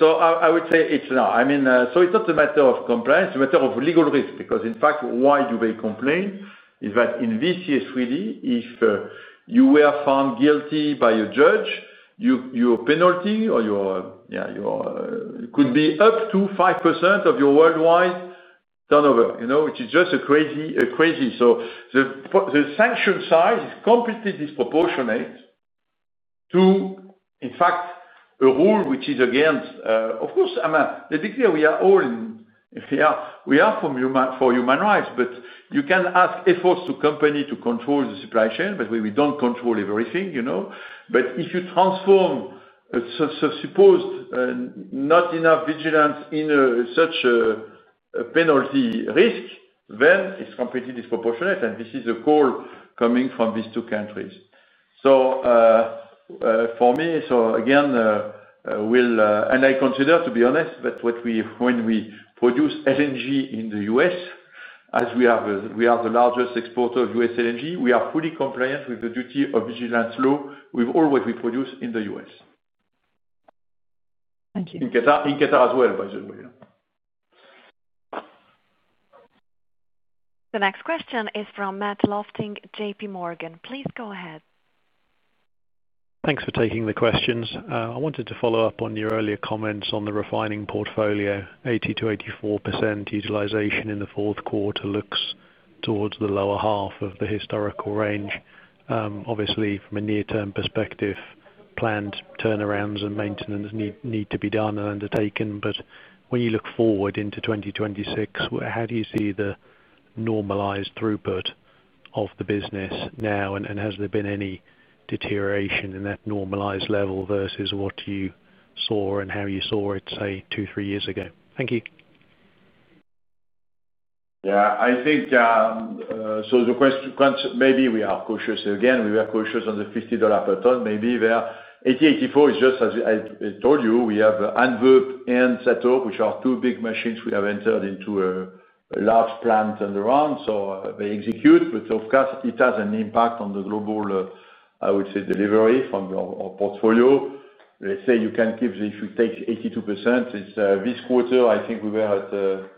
I would say it's now, I mean, it's not a matter of compliance, a matter of legal reason because in fact, why do they complain? In the CS3D, if you were found guilty by a judge, your penalty could be up to 5% of your worldwide turnover, which is just crazy. The sanction size is completely disproportionate to, in fact, a rule which is against, of course, the declaration. We are all here, we are for human rights. You can ask efforts to companies to control the supply chain, but we don't control everything. If you transform supposed not enough vigilance into such a penalty risk, then it's completely disproportionate. This is a call coming from these two countries. Again, I consider, to be honest, that when we produce LNG in the U.S., as we are the largest exporter of U.S. LNG, we are fully compliant with the duty of vigilance law with all that we produce in the U.S. Thank you. In Qatar as well, by the way. The next question is from Matt Lofting, JPMorgan. Please go ahead. Thanks for taking the questions. I wanted to follow up on your earlier comments on the refining portfolio. 80%-84% utilization in the fourth quarter looks towards the lower half of the historical range. Obviously from a near term perspective, planned turnarounds and maintenance need to be done and undertaken. When you look forward into 2026, how do you see the normalized throughput of the business now? Has there been any deterioration in that normalized level versus what you saw and how you saw it, say, two, three years ago? Yes, I think so. The question maybe we are cautious again, we were cautious on the $50 per tonne. Maybe there at 84% is just as I told you. We have ANVIRP and SETO, which are two big machines. We have entered into a large plant turnaround so they execute. Of course, it has an impact on the global, I would say, delivery from your portfolio. Let's say you can keep, if you take 82% this quarter, I think we were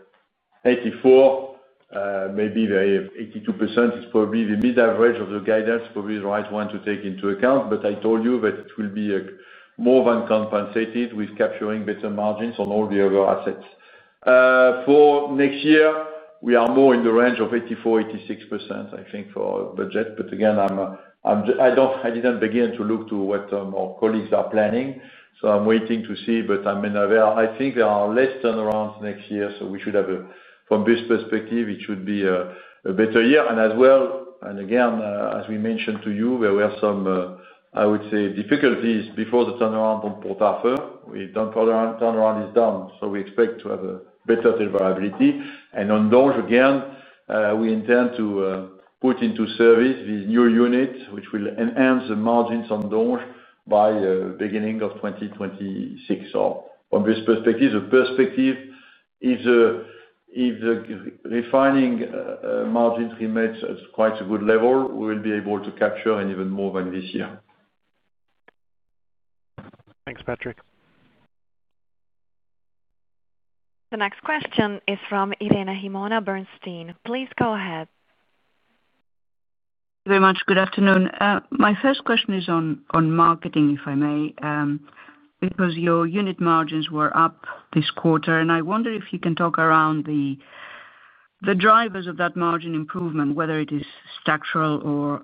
at 84%, maybe 82% is probably the mid average of the guidance, probably the right one to take into account. I told you that it will be more than compensated with capturing better margins on all the other assets for next year. We are more in the range of 84%-86% I think for budget. Again, I didn't begin to look to what more colleagues are planning. I'm waiting to see. I think there are less turnarounds next year. We should have, from this perspective, it should be a better year as well. Again, as we mentioned to you, there were some, I would say, difficulties before the turnaround. On Port Harcourt, turnaround is done. We expect to have a better variability. On Donges, again, we intend to put into service the new unit which will enhance the margins on Donges by beginning of 2026. From this perspective, if the refining margins remain at quite a good level, we will be able to capture even more than this year. Thanks, Patrick. The next question is from Elena Himona, Bernstein. Please go ahead. Thank you very much. Good afternoon. My first question is on marketing, if I may, because your unit margins were up this quarter, and I wonder if you can talk around the drivers of that margin improvement, whether it is structural or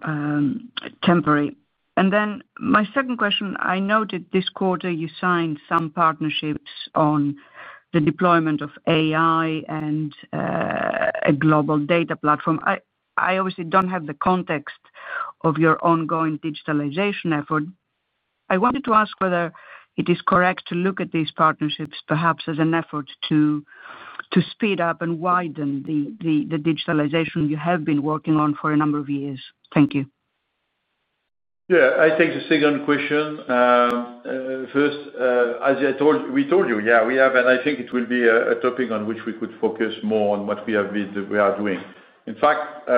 temporary. My second question, I noted this quarter you signed some partnerships on the deployment of AI and a global data platform. I obviously don't have the context of your ongoing digitalization effort. I wanted to ask whether it is correct to look at these partnerships perhaps as an effort to speed up and widen the digitalization you have been working on for a number of years. Thank you. Yeah, I take the second question first as we told you. Yeah, we have and I think it will be a topic on which we could focus more on what we are doing. In fact,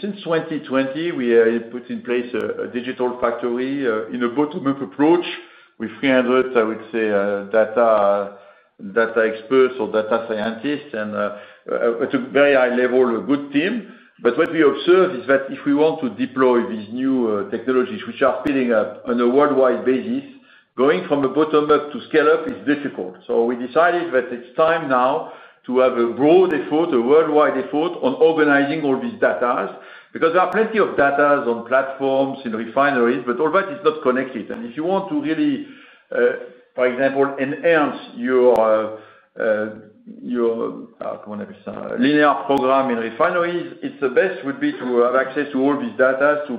since 2020 we put in place a digital factory in a bottom up approach with 300, I would say, data experts or data scientists and to very high level a good team. What we observe is that if we want to deploy these new technologies which are speeding up on a worldwide basis, going from the bottom up to scale up is difficult. We decided that it's time now to have a broad effort, a worldwide effort on organizing all these data because there are plenty of data on platforms in refineries, but all that is not connected. If you want to really, for example, enhance your linear program in refineries, the best would be to have access to all these data to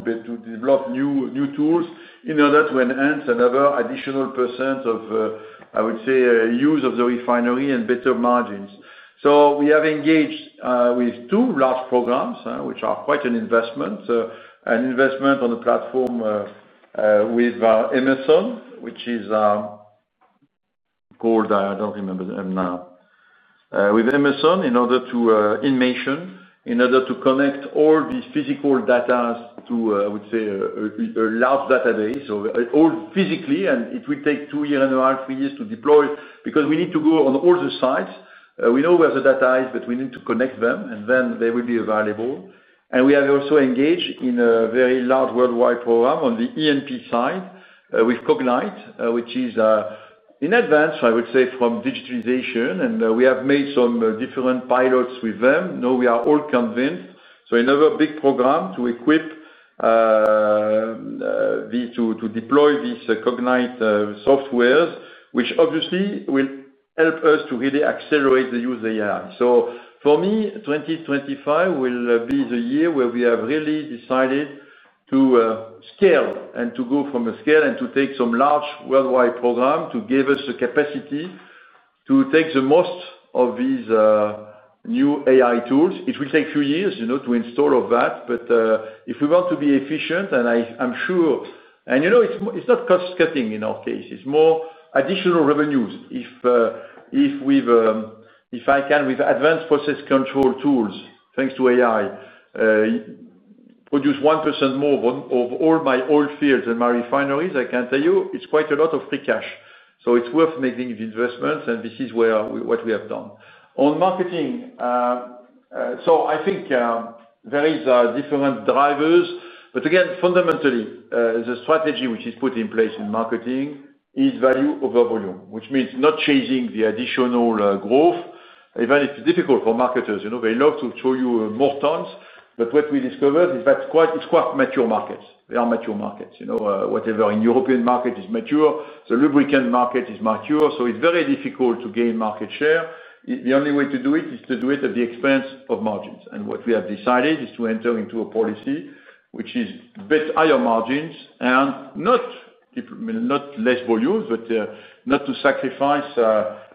develop new tools in order to enhance another additional % of, I would say, use of the refinery and better margins. We have engaged with two large programs which are quite an investment. An investment on the platform with Amazon, which is, I don't remember them now with Amazon, in order to inmate, in order to connect all these physical data to, I would say, a large database, all physically. It will take two years and a half, three years to deploy because we need to go on all the sites, we know where the data is, but we need to connect them and then they will be available. We have also engaged in a very large worldwide program on the ENP site with Cognite which is in advance, I would say, from digitalization. We have made some different pilots with them. Now we are all convinced. Another big program to equip. To deploy these Cognite software, which obviously will help us to really accelerate the use of AI. For me, 2025 will be the year where we have really decided to scale and to go from a scale and to take some large worldwide program to give us the capacity to take the most of these new AI tools. It will take a few years to install all of that. If we want to be efficient, and I'm sure, and you know, it's not cost cutting in our case, it's more additional revenues. If I can, with advanced process control tools, thanks to AI, produce 1% more of all my oil fields and my refineries, I can tell you it's quite a lot of free cash. It's worth making the investments. This is what we have done on marketing. I think there are different drivers. Fundamentally, the strategy which is put in place in marketing is value over volume, which means not chasing the additional growth, even if it's difficult for marketers. You know, they love to show you more tons. What we discovered is that it's quite mature markets. They are mature markets, you know, whatever in European market is mature, the lubricant market is mature. It's very difficult to gain market share. The only way to do it is to do it at the expense of margins. What we have decided is to enter into a policy which is a bit higher margins and not less volumes, but not to sacrifice,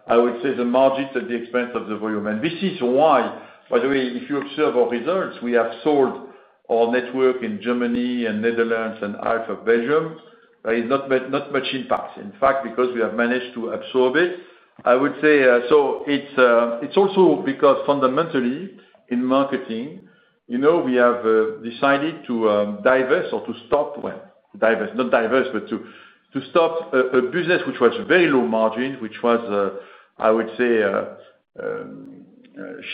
I would say, the margins at the expense of the volume. This is why, by the way, if you observe our results, we have sold our network in Germany and Netherlands and half of Belgium. There is not much impact, in fact, because we have managed to absorb it, I would say. It's also because fundamentally in marketing we have decided to divest or to stop, not divest, but to stop a business which was very low margin, which was, I would say,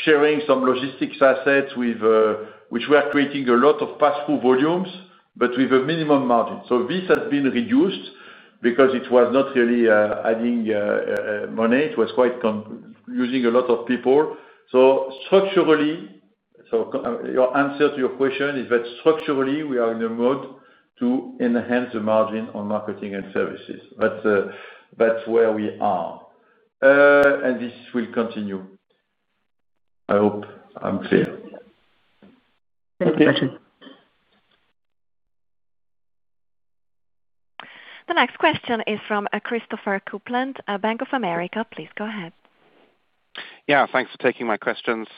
sharing some logistics assets which were creating a lot of pass-through volumes but with a minimum margin. This has been reduced because it was not really adding money. It was quite losing a lot of people, structurally. Your answer to your question is that structurally we are in a mode to enhance the margin on marketing and services. That's where we are, and this will continue. I hope I'm clear. Thank you, Patrick. The next question is from Kris Copeland, Bank of America. Please go ahead. Yeah, thanks for taking my questions.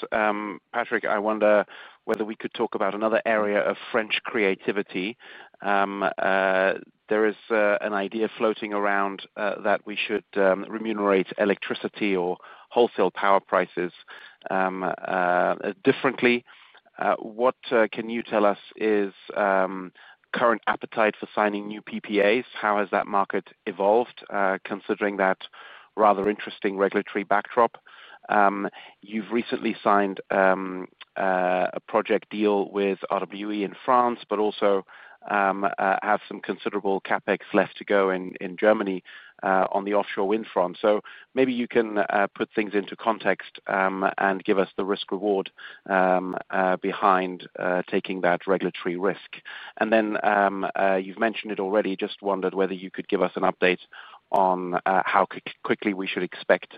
Patrick. I wonder whether we could talk about another area of French creativity. There is an idea floating around that we should remunerate electricity or wholesale power prices differently. What can you tell us is current appetite for signing new PPAs? How has that market evolved considering that rather interesting regulatory backdrop? You've recently signed a project deal with RWE in France, but also have some considerable CapEx left to go in Germany on the offshore wind front. Maybe you can put things into context and give us the risk reward behind taking that regulatory risk. You've mentioned it already. I just wondered whether you could give us an update on how quickly we should expect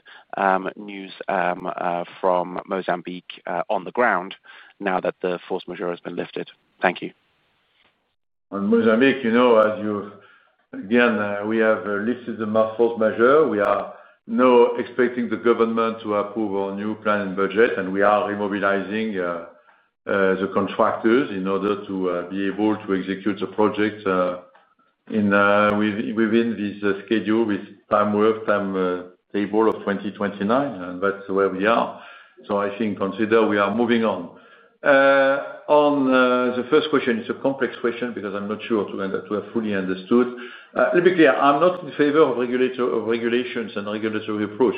news from Mozambique on the ground now that the force majeure has been lifted. Thank you. Mozambique. As you know, we have lifted the mask force majeure. We are now expecting the government to approve our new plan and budget, and we are mobilizing the contractors in order to be able to execute the project within this schedule with a timetable of 2029, and that's where we are. I think we are moving on the first question. It's a complex question because I'm not sure to have fully understood. Let me be clear. I'm not in favor of regulations and regulatory approach.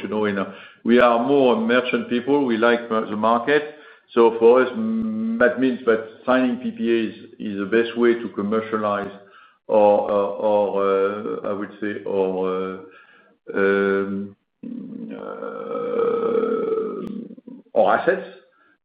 We are more merchant people, we like the market. For us, that means that signing PPAs is the best way to commercialize, I would say, our assets.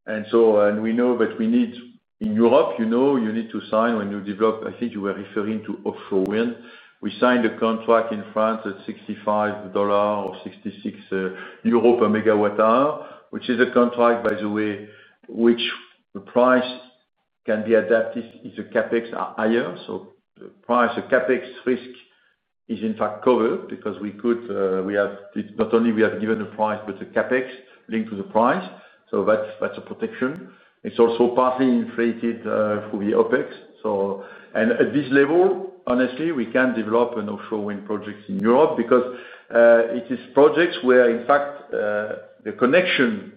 We know that we need in Europe, you need to sign when you develop. I think you were referring to offshore wind. We signed a contract in France at $65 or $66 per MWh, which is a contract, by the way, where the price can be adapted if the CapEx are higher. The CapEx risk is in fact covered because we could. Not only have we given the price, but the CapEx is linked to the price, so that's a protection. It's also partly inflated through the OpEx. So. At this level, honestly, we can develop an offshore wind project in Europe because it is projects where, in fact, the connection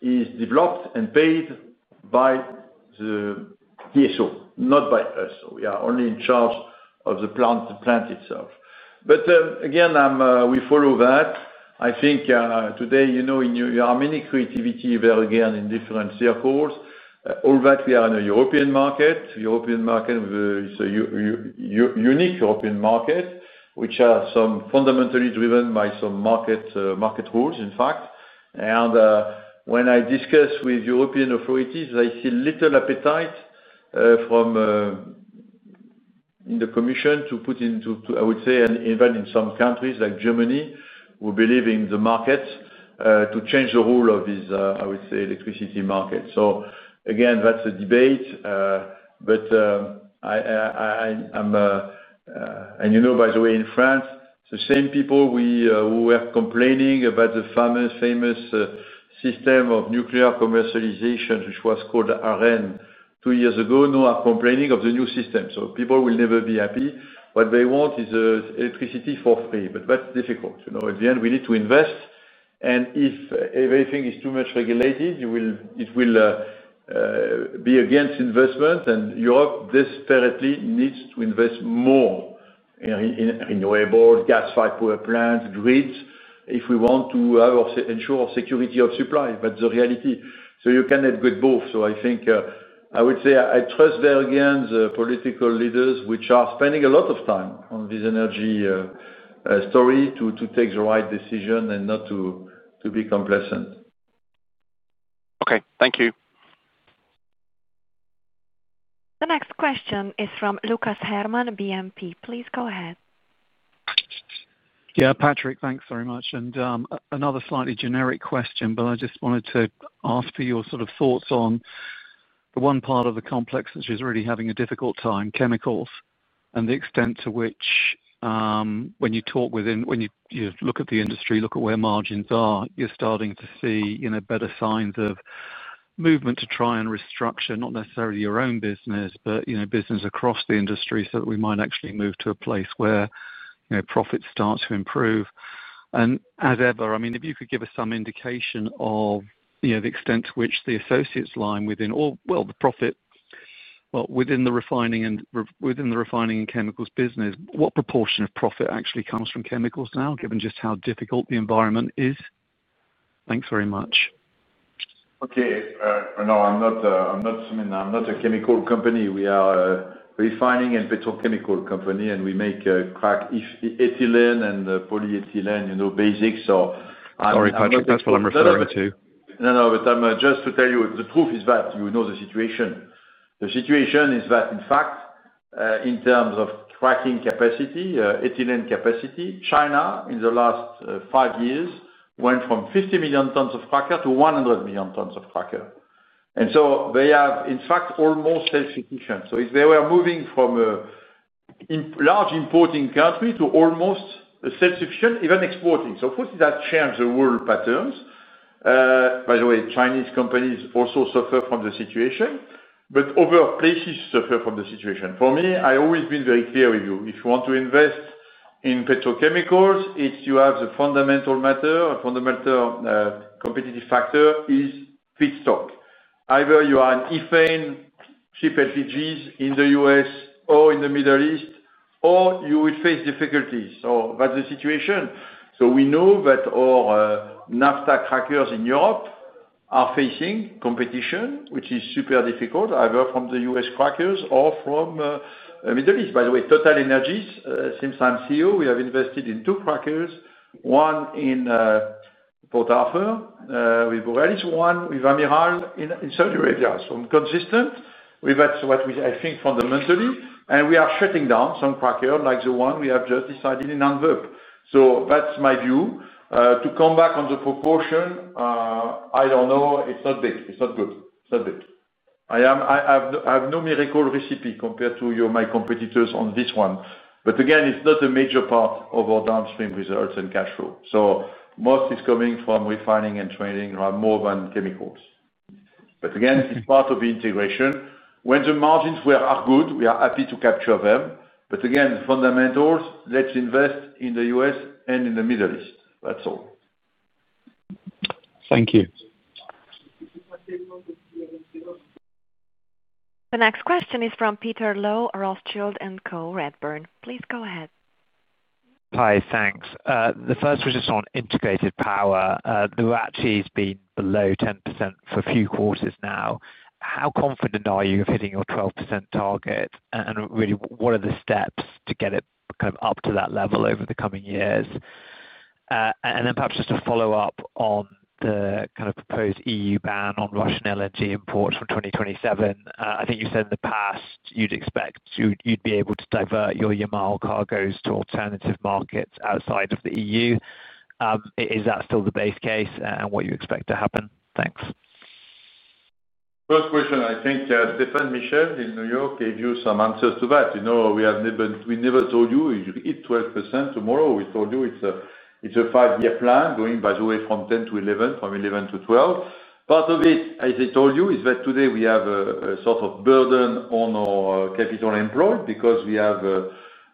is developed and paid by the DSO, not by us. We are only in charge of the plant itself. Again, we follow that. I think today, you know, you have many creativity there again, in different circles, all that we are in a European market. European market, unique European market, which are fundamentally driven by some market rules, in fact. When I discuss with European authorities, I see little appetite from the Commission to put into. I would say even in some countries like Germany, who believe in the market, to change the rule of these, I would say, electricity market. That's a debate. By the way, in France, the same people who were complaining about the famous system of nuclear commercialization, which was called ARENH two years ago, now are complaining of the new system. People will never be happy. What they want is electricity for free. That's difficult at the end. We need to invest. If everything is too much regulated, it will be against investment. Europe desperately needs to invest more in renewable gas, fiber plants, grids, if we want to ensure security of supply. The reality, so you can have good both. I think I would say, I trust there again the political leaders which are spending a lot of time on this energy story to take the right decision and not to be complacent. Okay, thank you. The next question is from Lucas Herrmann, BNP. Please go ahead. Yeah, Patrick, thanks very much. Another slightly generic question, but I just wanted to ask for your sort of thoughts on the one part of the complex which is really having a difficult time: chemicals. To the extent to which, when you talk within, when you look at the industry, look at where margins are, you're starting to see better signs of movement to try and restructure not necessarily your own business, but business across the industry, so that we might actually move to a place where profits start to improve. If you could give us some indication of the extent to which the associates line within. The profits. Within the refining and chemicals business, what proportion of profit actually comes from chemicals? Now, given just how difficult the environment is. Thanks very much. Okay. No, I'm not a chemical company. We are a refining and petrochemical company and we make crack, ethylene, and polyethylene. You know, basics. Sorry, Patrick, that's what I'm referring to. No, but just to tell you the truth is that, you know, the situation. The situation is that in fact in terms of cracking capacity, ethylene capacity, China in the last five years went from 50 million tons of cracker to 100 million tons of cracker. They are in fact almost self-sufficient. If they were moving from a large importing country to almost self-sufficient, even exporting, that changed the world pattern. By the way, Chinese companies also suffer from the situation, but other places suffer from the situation. For me, I always been very clear with you. If you want to invest in petrochemicals, you have the fundamental matter, fundamental competitive factor is feedstock. Either you are ethane, cheap LPGs in the U.S. or in the Middle East, or you will face difficulties. That's the situation. We know that all naphtha crackers in Europe are facing competition, which is super difficult, either from the U.S. crackers or from Middle East. By the way, TotalEnergies, since I'm CEO, we have invested in two crackers, one in Port Arthur with Borealis, one with Amiral in Saudi Arabia. I'm consistent with that. I think fundamentally, and we are shutting down some crackers like the one we have just decided in France. That's my view to come back on the proportion. I don't know, it's not big, it's not good, it's not big. I have no miracle recipe compared to my competitors on this one. Again, it's not a major part of our downstream results and cash flow. Most is coming from refining and trading rather more than chemicals. Again, it's part of the integration. When the margins are good, we are happy to capture them. Again, fundamentals, let's invest in the U.S. and in the Middle East. That's all. Thank you. The next question is from Peter Low, Rothschild & Co Redburn. Please go ahead. Hi. Thanks. The first was just on integrated power. The ROCE has been below 10% for a few quarters now. How confident are you of hitting your 12% target? What are the steps to. Get it up to that level over the coming years? Perhaps just a follow up. On the kind of proposed EU ban. On Russian LNG imports from 2027. I think you said in the past you'd expect you'd be able to divert your Yamal cargoes to alternative markets outside of the EU. Is that still the base case and what you expect to happen? Thank you. First question. I think Stephane Michel in New York gave you some answers to that. You know, we never told you it's 12% tomorrow. We told you it's a five-year plan going, by the way, from 10%-11%, from 11%-12%. Part of it, as I told you, is that today we have a sort of burden on our capital employed because we have,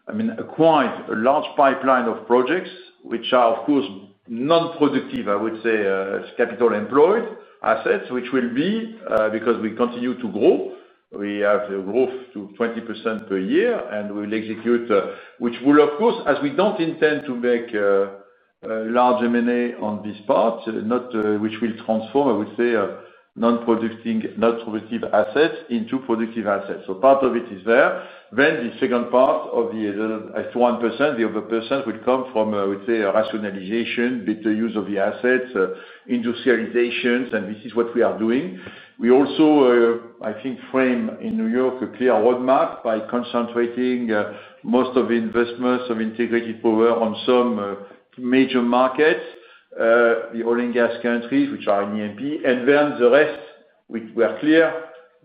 I mean, quite a large pipeline of projects which are, of course, non-productive, I would say, capital employed assets which will be because we continue to grow. We have growth to 20% per year and we will execute, which will, of course, as we don't intend to make large M&A on this part, which will transform, I would say, non-productive assets into productive assets. Part of it is there. Then the second part, the other percent, would come from rationalization, better use of the assets, industrializations, and this is what we are doing. We also, I think, frame in New York a clear roadmap by concentrating most of the investments of integrated power on some major markets, the oil and gas countries which are in E&P. The rest we are clear,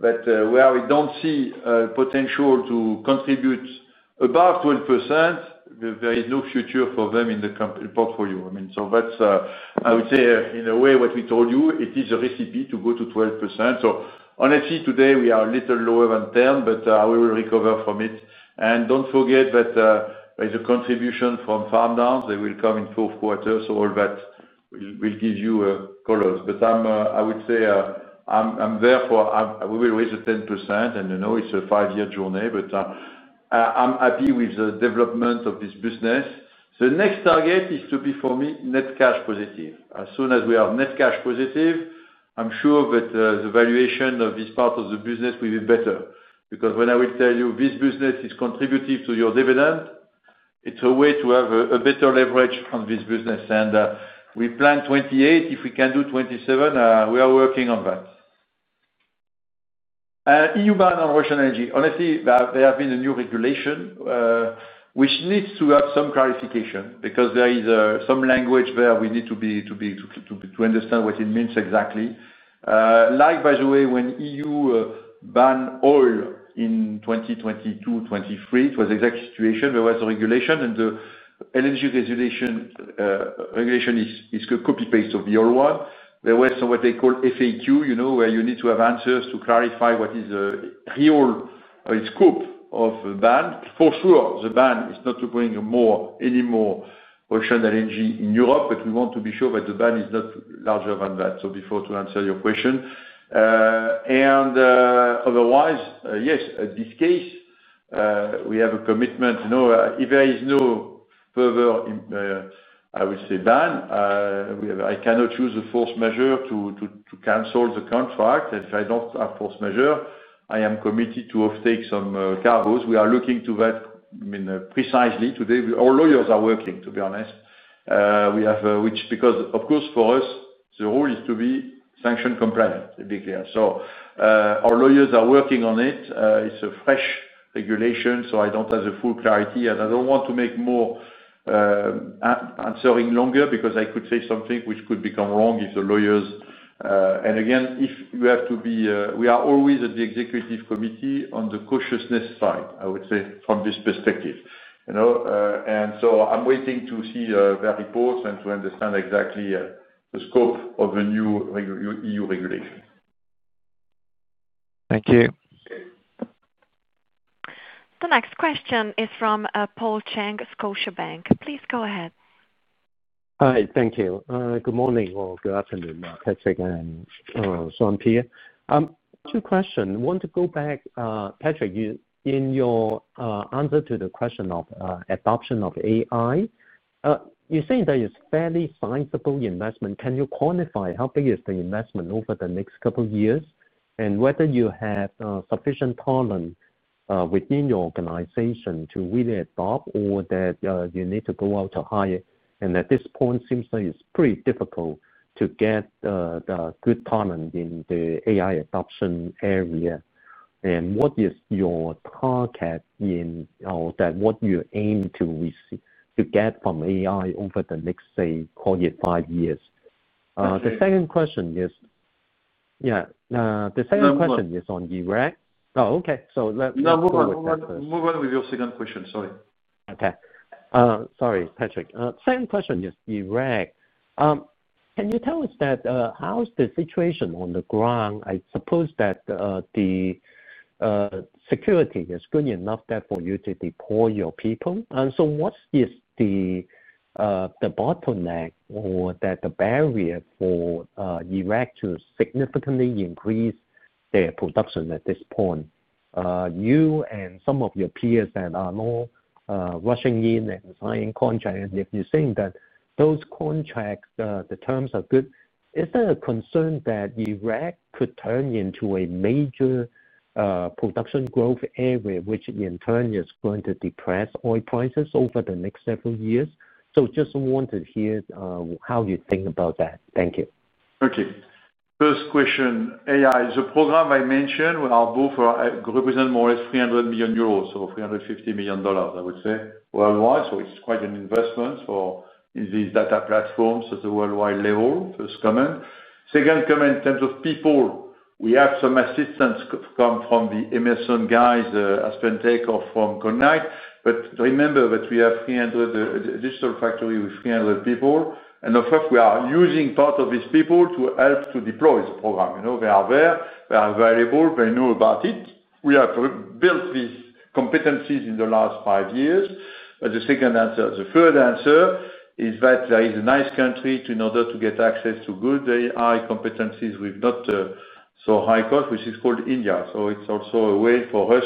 but where we don't see potential to contribute above 12%, there is no future for them in the portfolio. I mean, that's, I would say, in a way, what we told you. It is a recipe to go to 12%. Honestly, today we are a little lower than 10%, but we will recover from it. Don't forget that there is a contribution from farm-downs; they will come in fourth quarter. All that will give you colors. I would say, therefore, we will raise at 10% and it's a five-year journey. I'm happy with the development of this business. The next target is to be, for me, net cash positive. As soon as we are net cash positive, I'm sure that the valuation of this part of the business will be better because when I will tell you this business is contributing to your dividend, it's a way to have a better leverage on this business. We plan 2028; if we can do 2027, we are working on that. EU ban on Russian energy. Honestly, there has been a new regulation which needs to have some clarification because there is some language there we need to understand what it means exactly. Like, by the way, when EU banned oil in 2022, 2023, it was exact situation. There was a regulation and the LNG regulation is a copy-paste of the old one. There was what they call FAQ where you need to have answers to clarify what is the real scope of ban. For sure the ban is not going any more ocean LNG in Europe, but we want to be sure that the ban is not larger than that. Before I answer your question, and otherwise yes, in this case we have a commitment. If there is no further, I would say, done, I cannot use the force majeure to cancel the contract. If I don't have force majeure, I am committed to offtake some cargoes. We are looking to that precisely today. All lawyers are working, to be honest. We have, which because of course for us, the rule is to be sanction compliant, to be clear. Our lawyers are working on it. It's a fresh regulation. I don't have the full clarity, and I don't want to make my answer longer because I could say something which could become wrong if the lawyers, and again, you have to be. We are always at the Executive Committee on the cautiousness side, I would say from this perspective. I'm waiting to see their reports and to understand exactly the scope of the new EU regulation. Thank you. The next question is from Paul Chang, Scotiabank. Please go ahead. Hi. Thank you. Good morning or good afternoon. Patrick and Jean-Pierre Sbraire. Two questions. Want to go back. Patrick, in your answer to the question of adoption of AI, you say that is fairly sizable investment. Can you quantify how big is the investment over the next couple years and whether you have sufficient talent within your organization to really adopt or that you need to go out to hire? At this point, seems like it's pretty difficult to get good talent in the AI adoption area. What is your target in or what you aim to get from AI over the next, say, 25 years? The second question is on Iraq. Oh, okay. Move on with your second question. Sorry. Okay. Sorry. Patrick, second question is Iraq. Can you tell us how's the situation on the ground? I suppose that the security is good enough for you to deploy your people. Why, what is the bottleneck or the barrier for Iraq to significantly increase their production at this point? You and some of your peers are now rushing in and signing contracts. If you're saying that those contracts, the terms are good, is there a concern that Iraq could turn into a major production growth area, which in turn is going to depress oil prices over the next several years? Just want to hear how you think about that. Thank you. Okay, first question. AI, the program I mentioned, both represent more than 300 million euros or $350 million, I would say worldwide. It's quite an investment for these data platforms at the worldwide level. First comment. Second comment. In terms of people, we have some assistance come from the Emerson guys, Aspentech, or from Cognite. Remember that we have 300 digital factory with 300 people. Of course, we are using part of these people to help to deploy the program. They are there, they are valuable, they know about it. We have built these competencies in the last five years. The third answer is that there is a nice country in order to get access to good, high competencies with not so high cost, which is called India. It's also a way for us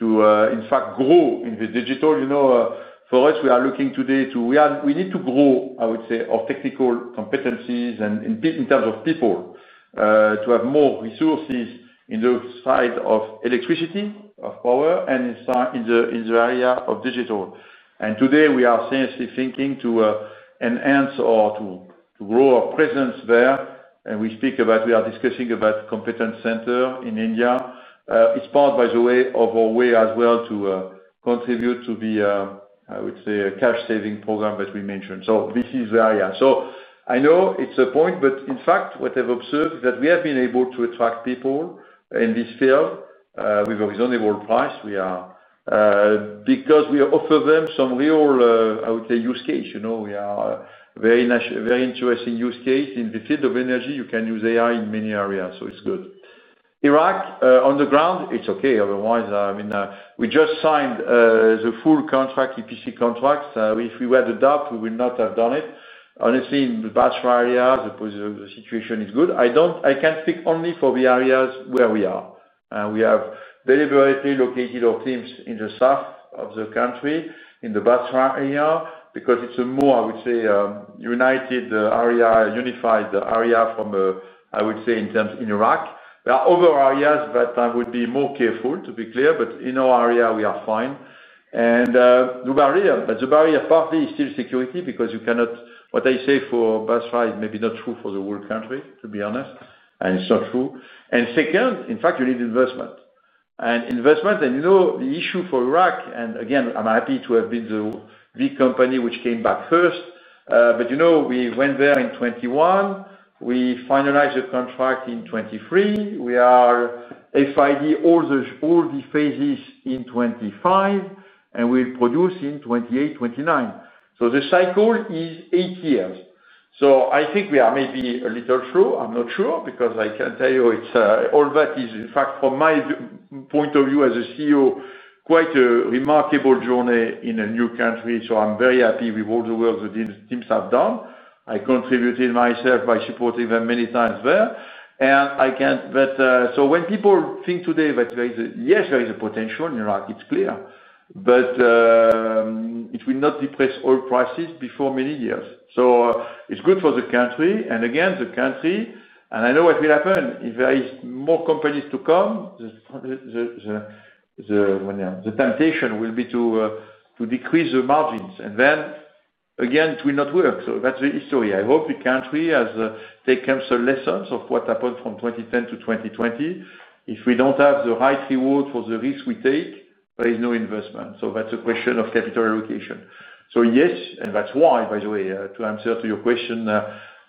to, in fact, grow in the digital. For us, we are looking today to, we need to grow, I would say, our technical competencies and in terms of people to have more resources in the side of electricity, of power, and in the area of digital. Today, we are seriously thinking to enhance or to grow our presence there. We are discussing about competent center in India. It's part, by the way, of our way as well to contribute to the, I would say, cash saving program that we mentioned. This is where I am. I know it's a point, but in fact what I've observed is that we have been able to attract people in this field with a reasonable price because we offer them some real, I would say, use case. We are very interesting use case in the field of energy. You can use AI in many areas. It's good. Iraq, on the ground, it's okay. Otherwise, we just signed the full EPC contract. If we were to doubt, we would not have done it honestly. In the Basra area, the situation is good. I can speak only for the areas where we are. We have deliberately located our teams in the south of the country, in the Basra area, because it's a more, I would say, united area, unified area. In Iraq, there are other areas that I would be more careful, to be clear. In our area, we are fine. The barrier partly is still security because you cannot, what I say for Basra is maybe not true for the whole country, to be honest. It's not true. Second, in fact, you need investment and investment, and you know the issue for Iraq. Again, I'm happy to have been the big company which came back first. You know, we went there in 2021, we finalized the contract in 2023. We are FID all the phases in 2025 and we produce in 2028, 2029. The cycle is eight years. I think we are maybe a little slow. I'm not sure because I can tell you all that is in fact from my point of view as a CEO, quite a remarkable journey in a new country. I'm very happy with all the work the teams have done. I contributed myself by supporting them many times there. When people think today that yes, there is a potential in Iraq, it's clear, but it will not depress oil prices before many years. It's good for the country and again the country and I know what will happen if there are more companies to come. The temptation will be to decrease the margins and then again it will not work. That's the history. I hope the country has taken some lessons of what happened from 2010 to 2020. If we don't have the right reward for the risk we take, there is no investment. That's a question of capital allocation. Yes, and that's why, by the way, to answer your question,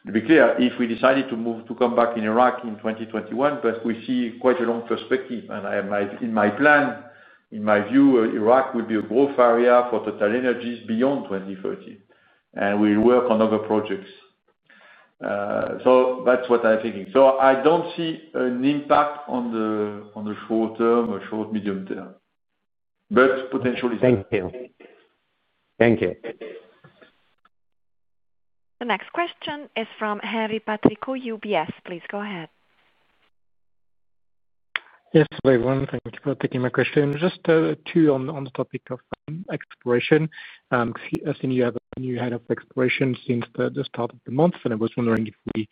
to be clear, if we decided to move to come back in Iraq in 2021, but we see quite a long first quarter and in my plan, in my view, Iraq will be a growth area for TotalEnergies beyond 2030 and we work on other projects. That's what I'm thinking. I don't see an impact on the short term or short medium term, but potential is. Thank you. Thank you. The next question is from Henri Patricot, UBS. Please go ahead. Yes. Hello everyone. Thank you for taking my question. Just two on the topic of exploration, I think you have a new Head of Exploration since the start of the month. I was wondering if we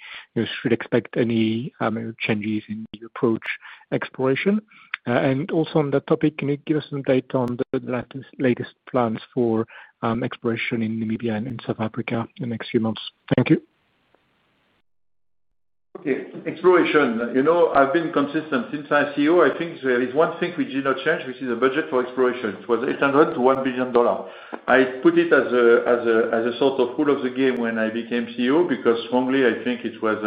should. Expect any changes in your approach to exploration. Also, on the topic, can you give us an update on the latest plans for exploration in Namibia and South Africa in the next few months? Thank you. Okay. Exploration, you know, I've been consistent since I became CEO. I think there is one thing we did not change, which is a budget for exploration. It was $800 million-$1 billion. I put it as a sort of rule of the game when I became CEO because strongly I think it was.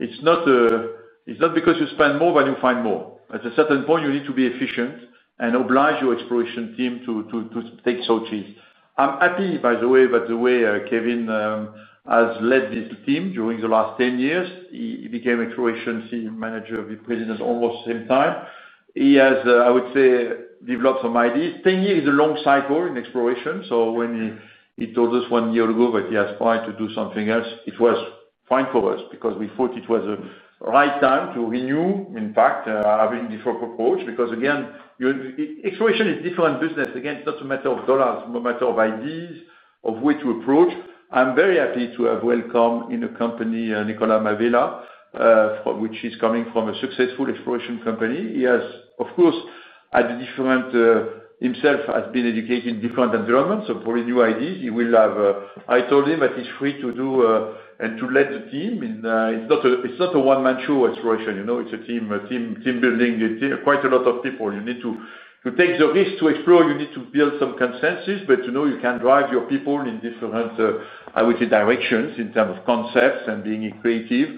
It's not because you spend more, you find more. At a certain point, you need to be efficient and oblige your exploration team to take Sochi. I'm happy, by the way. By the way, Kevin has led this team during the last 10 years. He became Exploration Manager or the President almost the same time. He has, I would say, developed some ideas. Ten years is a long cycle in exploration. When he told us one year ago that he aspired to do something else, it was fine for us because we thought it was the right time to renew. In fact, having the focal approach because again, exploration is a different business. Again, it's not a matter of dollars, a matter of ideas, of way to approach. I'm very happy to have welcomed in the company Nicola Mavela, who is coming from a successful exploration company. He has, of course, himself been educated in different environments. So probably new ideas he will have. I told him that he's free to do and to lead the team. It's not a one, you know, it's a team building quite a lot of people. You need to take the risk to explore, you need to build some consensus. You can drive your people in different, I would say, directions in terms of concepts and being creative.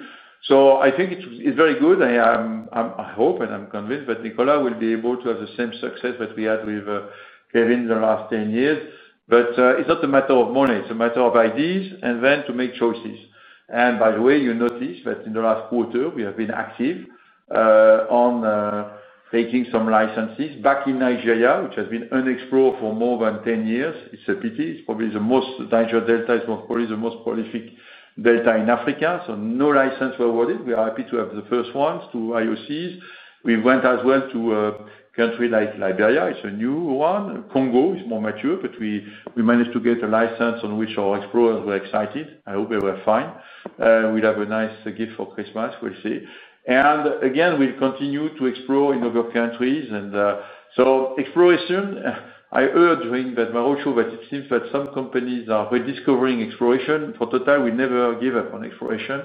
I think it's very good. I hope and I'm convinced that Nicola will be able to have the same success that we had with Kevin in the last 10 years. It's not a matter of money, it's a matter of ideas and then to make choices. By the way, you notice that in the last quarter we have been active on taking some licenses back in Nigeria, which has been unexplored for more than 10 years. It's a pity. It's probably the most Niger Delta. It's probably the most prolific delta in Africa. No licenses were awarded. We are happy to have the first ones to IOCs. We went as well to a country like Liberia, it's a new one. Congo is more mature. Between, we managed to get a license on which our explorers were excited. I hope they were fine. We'd have a nice gift for Christmas. We'll see. We will continue to explore in other countries. Exploration. I heard during that Maroucho that it seems that some companies are rediscovering exploration. For TotalEnergies, we never give up on exploration.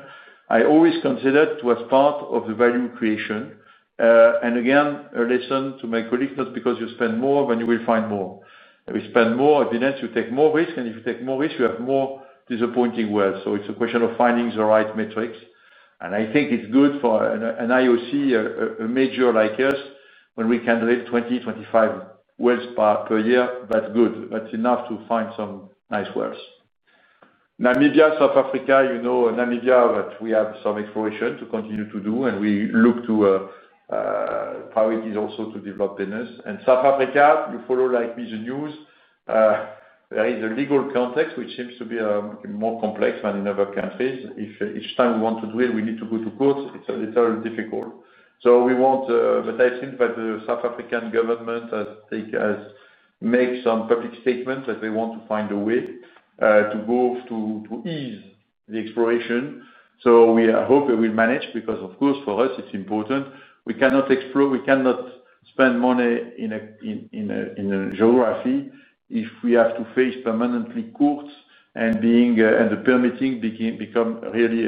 I always considered as part of the value creation and again a lesson to my colleagues, not because you spend more, but you will find more. We spend more evidence, you take more risk, and if you take more risk, you have more disappointing wells. It's a question of finding the right metrics. I think it's good for an IOC, a major like us, when we can raise 20, 25 wells per year. That's good, that's enough to find some nice wells. Namibia, South Africa, you know, Namibia, that we have some exploration to continue to do and we look to priorities also to develop business, and South Africa, you follow like Vision News, there is a legal context which seems to be more complex than in other countries. Each time we want to do it, we need to go to court. It's a little difficult. We want. I think that the South African government has made some public statements that they want to find a way to go to ease the exploration. We hope they will manage because of course for us it's important. We cannot explore, we cannot spend money in a geography if we have to face permanently courts and the permitting become really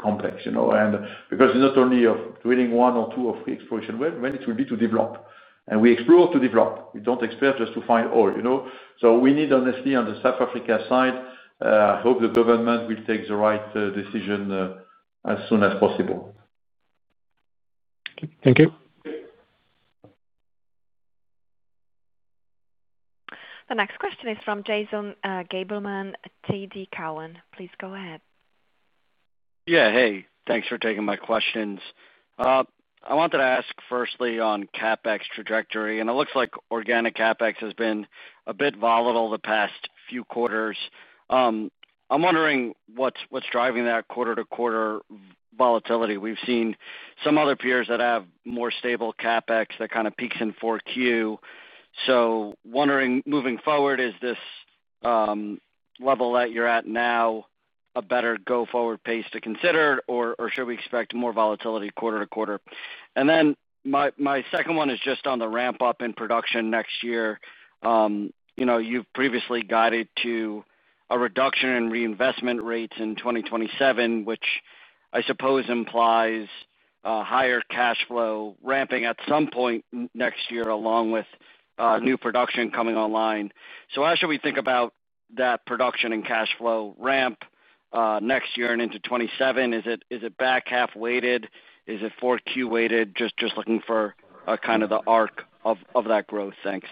complex because it's not only of drilling one or two of the exploration well, then it will be to develop and we explore to develop. We don't expect just to find oil. We need honestly on the South Africa side, I hope the government will take the right decision as soon as possible. Thank you. The next question is from Jason Gableman, TD Cowen. Please go ahead. Yeah, hey, thanks for taking my questions. I wanted to ask firstly on CapEx trajectory, and it looks like organic CapEx has been a bit volatile the past few quarters. I'm wondering what's driving that quarter-to-quarter volatility. We've seen some other peers that have more stable CapEx that kind of peaks in 4Q. Wondering moving forward, is this level that you're at now a better go-forward pace to consider, or should we expect more volatility quarter to quarter? My second one is just on the ramp up in production next year. You've previously guided to a reduction in reinvestment rates in 2027, which I suppose implies higher cash flow ramping at some point next year along with new production coming online. How should we think about that production and cash flow ramp next year and into 2027, is it back half weighted? Is it 4Q weighted? Just looking for kind of the arc of that growth. Thanks.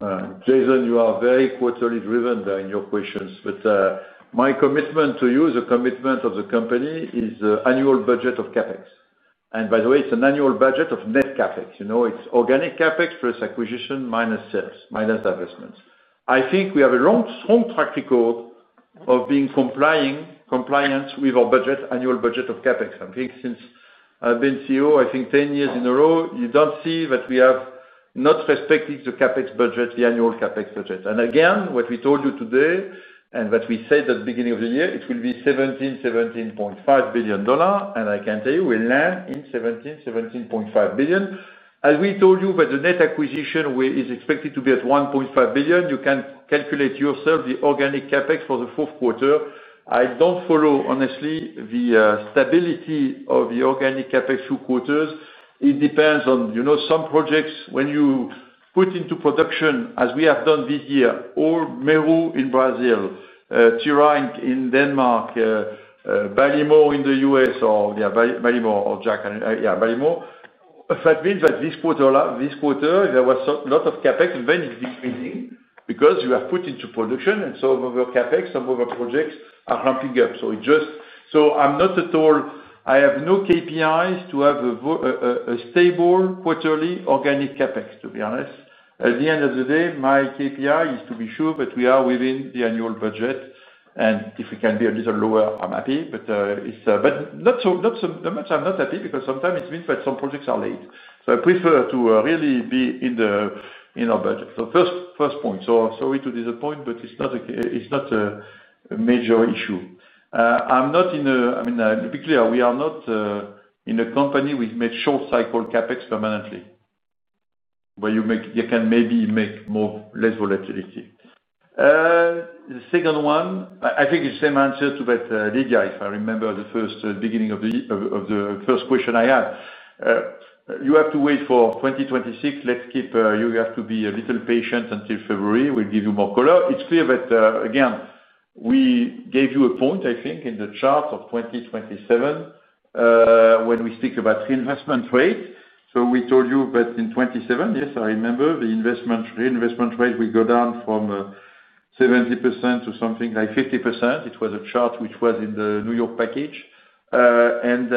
Jason. You are very quarterly driven in your questions, but my commitment to you, the commitment of the company is annual budget of CapEx and by the way, it's an annual budget of net CapEx. You know, it's organic CapEx plus acquisition, minus sales, minus divestments. I think we have a long track record of being in compliance with our budget. Annual budget of CapEx. I think since I've been CEO, I think 10 years in a row, you don't see that we have not respected the CapEx budget, the annual CapEx budget and again what we told you today and what we said at the beginning of the year, it will be $17 billion, $17.5 billion. I can tell you we'll land in $17 billion, $17.5 billion. As we told you that the net acquisition is expected to be at $1.5 billion. You can calculate yourself the organic CapEx for time. The first fourth quarter. I don't follow honestly the stability of the organic CapEx quarter to quarter. It depends on, you know, some projects when you put into production as we have done this year, all Mero in Brazil, Tyra in Denmark, Ballymore in the U.S. or Ballymore or Jack. Yeah, Ballymore. That means that this quarter there was a lot of CapEx, is decreasing because you have put into production and some of your CapEx. Some of our projects are ramping up. I'm not at all. I have no KPIs to have a stable quarterly organic CapEx. To be honest, at the end of the day my KPI is to be sure that we are within the annual budget and if we can be a little lower, I'm happy but not so much. I'm not happy because sometimes it means that some projects are late. I prefer to really be in our budget. First point. Sorry to disappoint but it's not a major issue. I'm not in a, I mean to be clear, we are not in a company with short cycle CapEx permanently where you can maybe make more, less volatility. The second one, I think it's the same answer to that. Lydia, if I remember the first big of the first question I had. You have to wait for 2026. Let's keep. You have to be a little patient until February. We'll give you more color. It's clear that again we gave you a point. I think in the chart of 2027 when we speak about reinvestment rate. We told you that in 2017. Yes, I remember. The reinvestment rate will go down from 70% to something like 50%. It was a chart which was in the New York Stock Exchange package and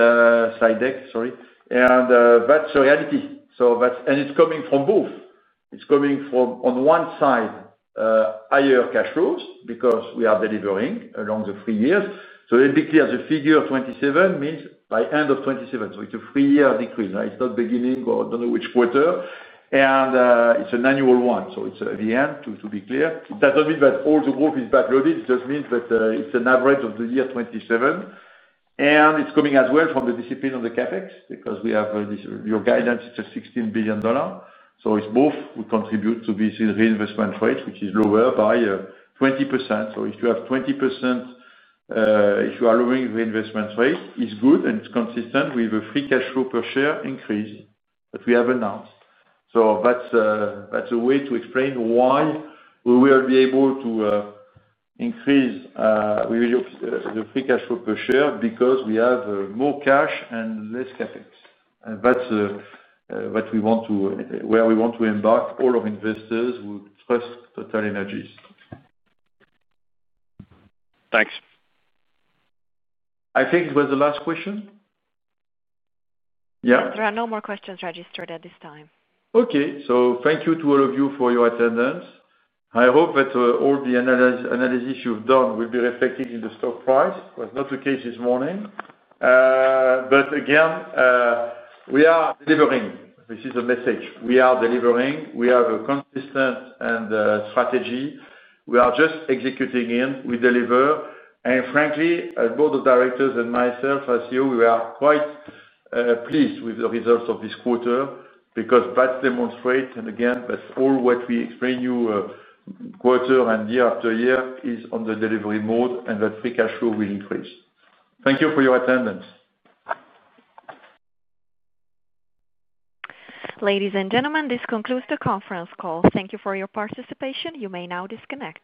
side deck. Sorry. That's reality. It's coming from both. It's coming from, on one side, higher cash flows because we are delivering along the three years. The figure 27 means by end of 2027, so it's a three-year decrease. It's not beginning or don't know which quarter, and it's an annual one. It's the end, to be clear. That doesn't mean that all, it just means that it's an average of the year 2027. It's coming as well from the discipline of the CapEx because we have your guidance. It's $16 billion, so both will contribute to this reinvestment rate, which is lower by 20%. If you have 20%, if you are lowering reinvestment rate, it's good, and it's consistent with a free cash flow per share increase that we have announced. That's a way to explain why we will be able to increase the free cash flow per share, because we have more cash and less CapEx. That's where we want to embark all of investors who trust TotalEnergies. Thanks. I think it was the last question. Yeah. There are no more questions registered at this time. Okay. Thank you to all of you for your attendance. I hope that all the analysis you've done will be reflected in the stock price. It was not the case this morning. Again, we are delivering. This is a message we are delivering. We have a consistent strategy. We are just executing and we deliver, and frankly, the Board of Directors and myself, as you, we are quite pleased with the results of this quarter because that demonstrates, and again, that's all what we explain to you quarter and year after year, is on the delivery mode and that free cash flow will increase. Thank you for your attendance. Ladies and gentlemen, this concludes the conference call. Thank you for your participation. You may now disconnect.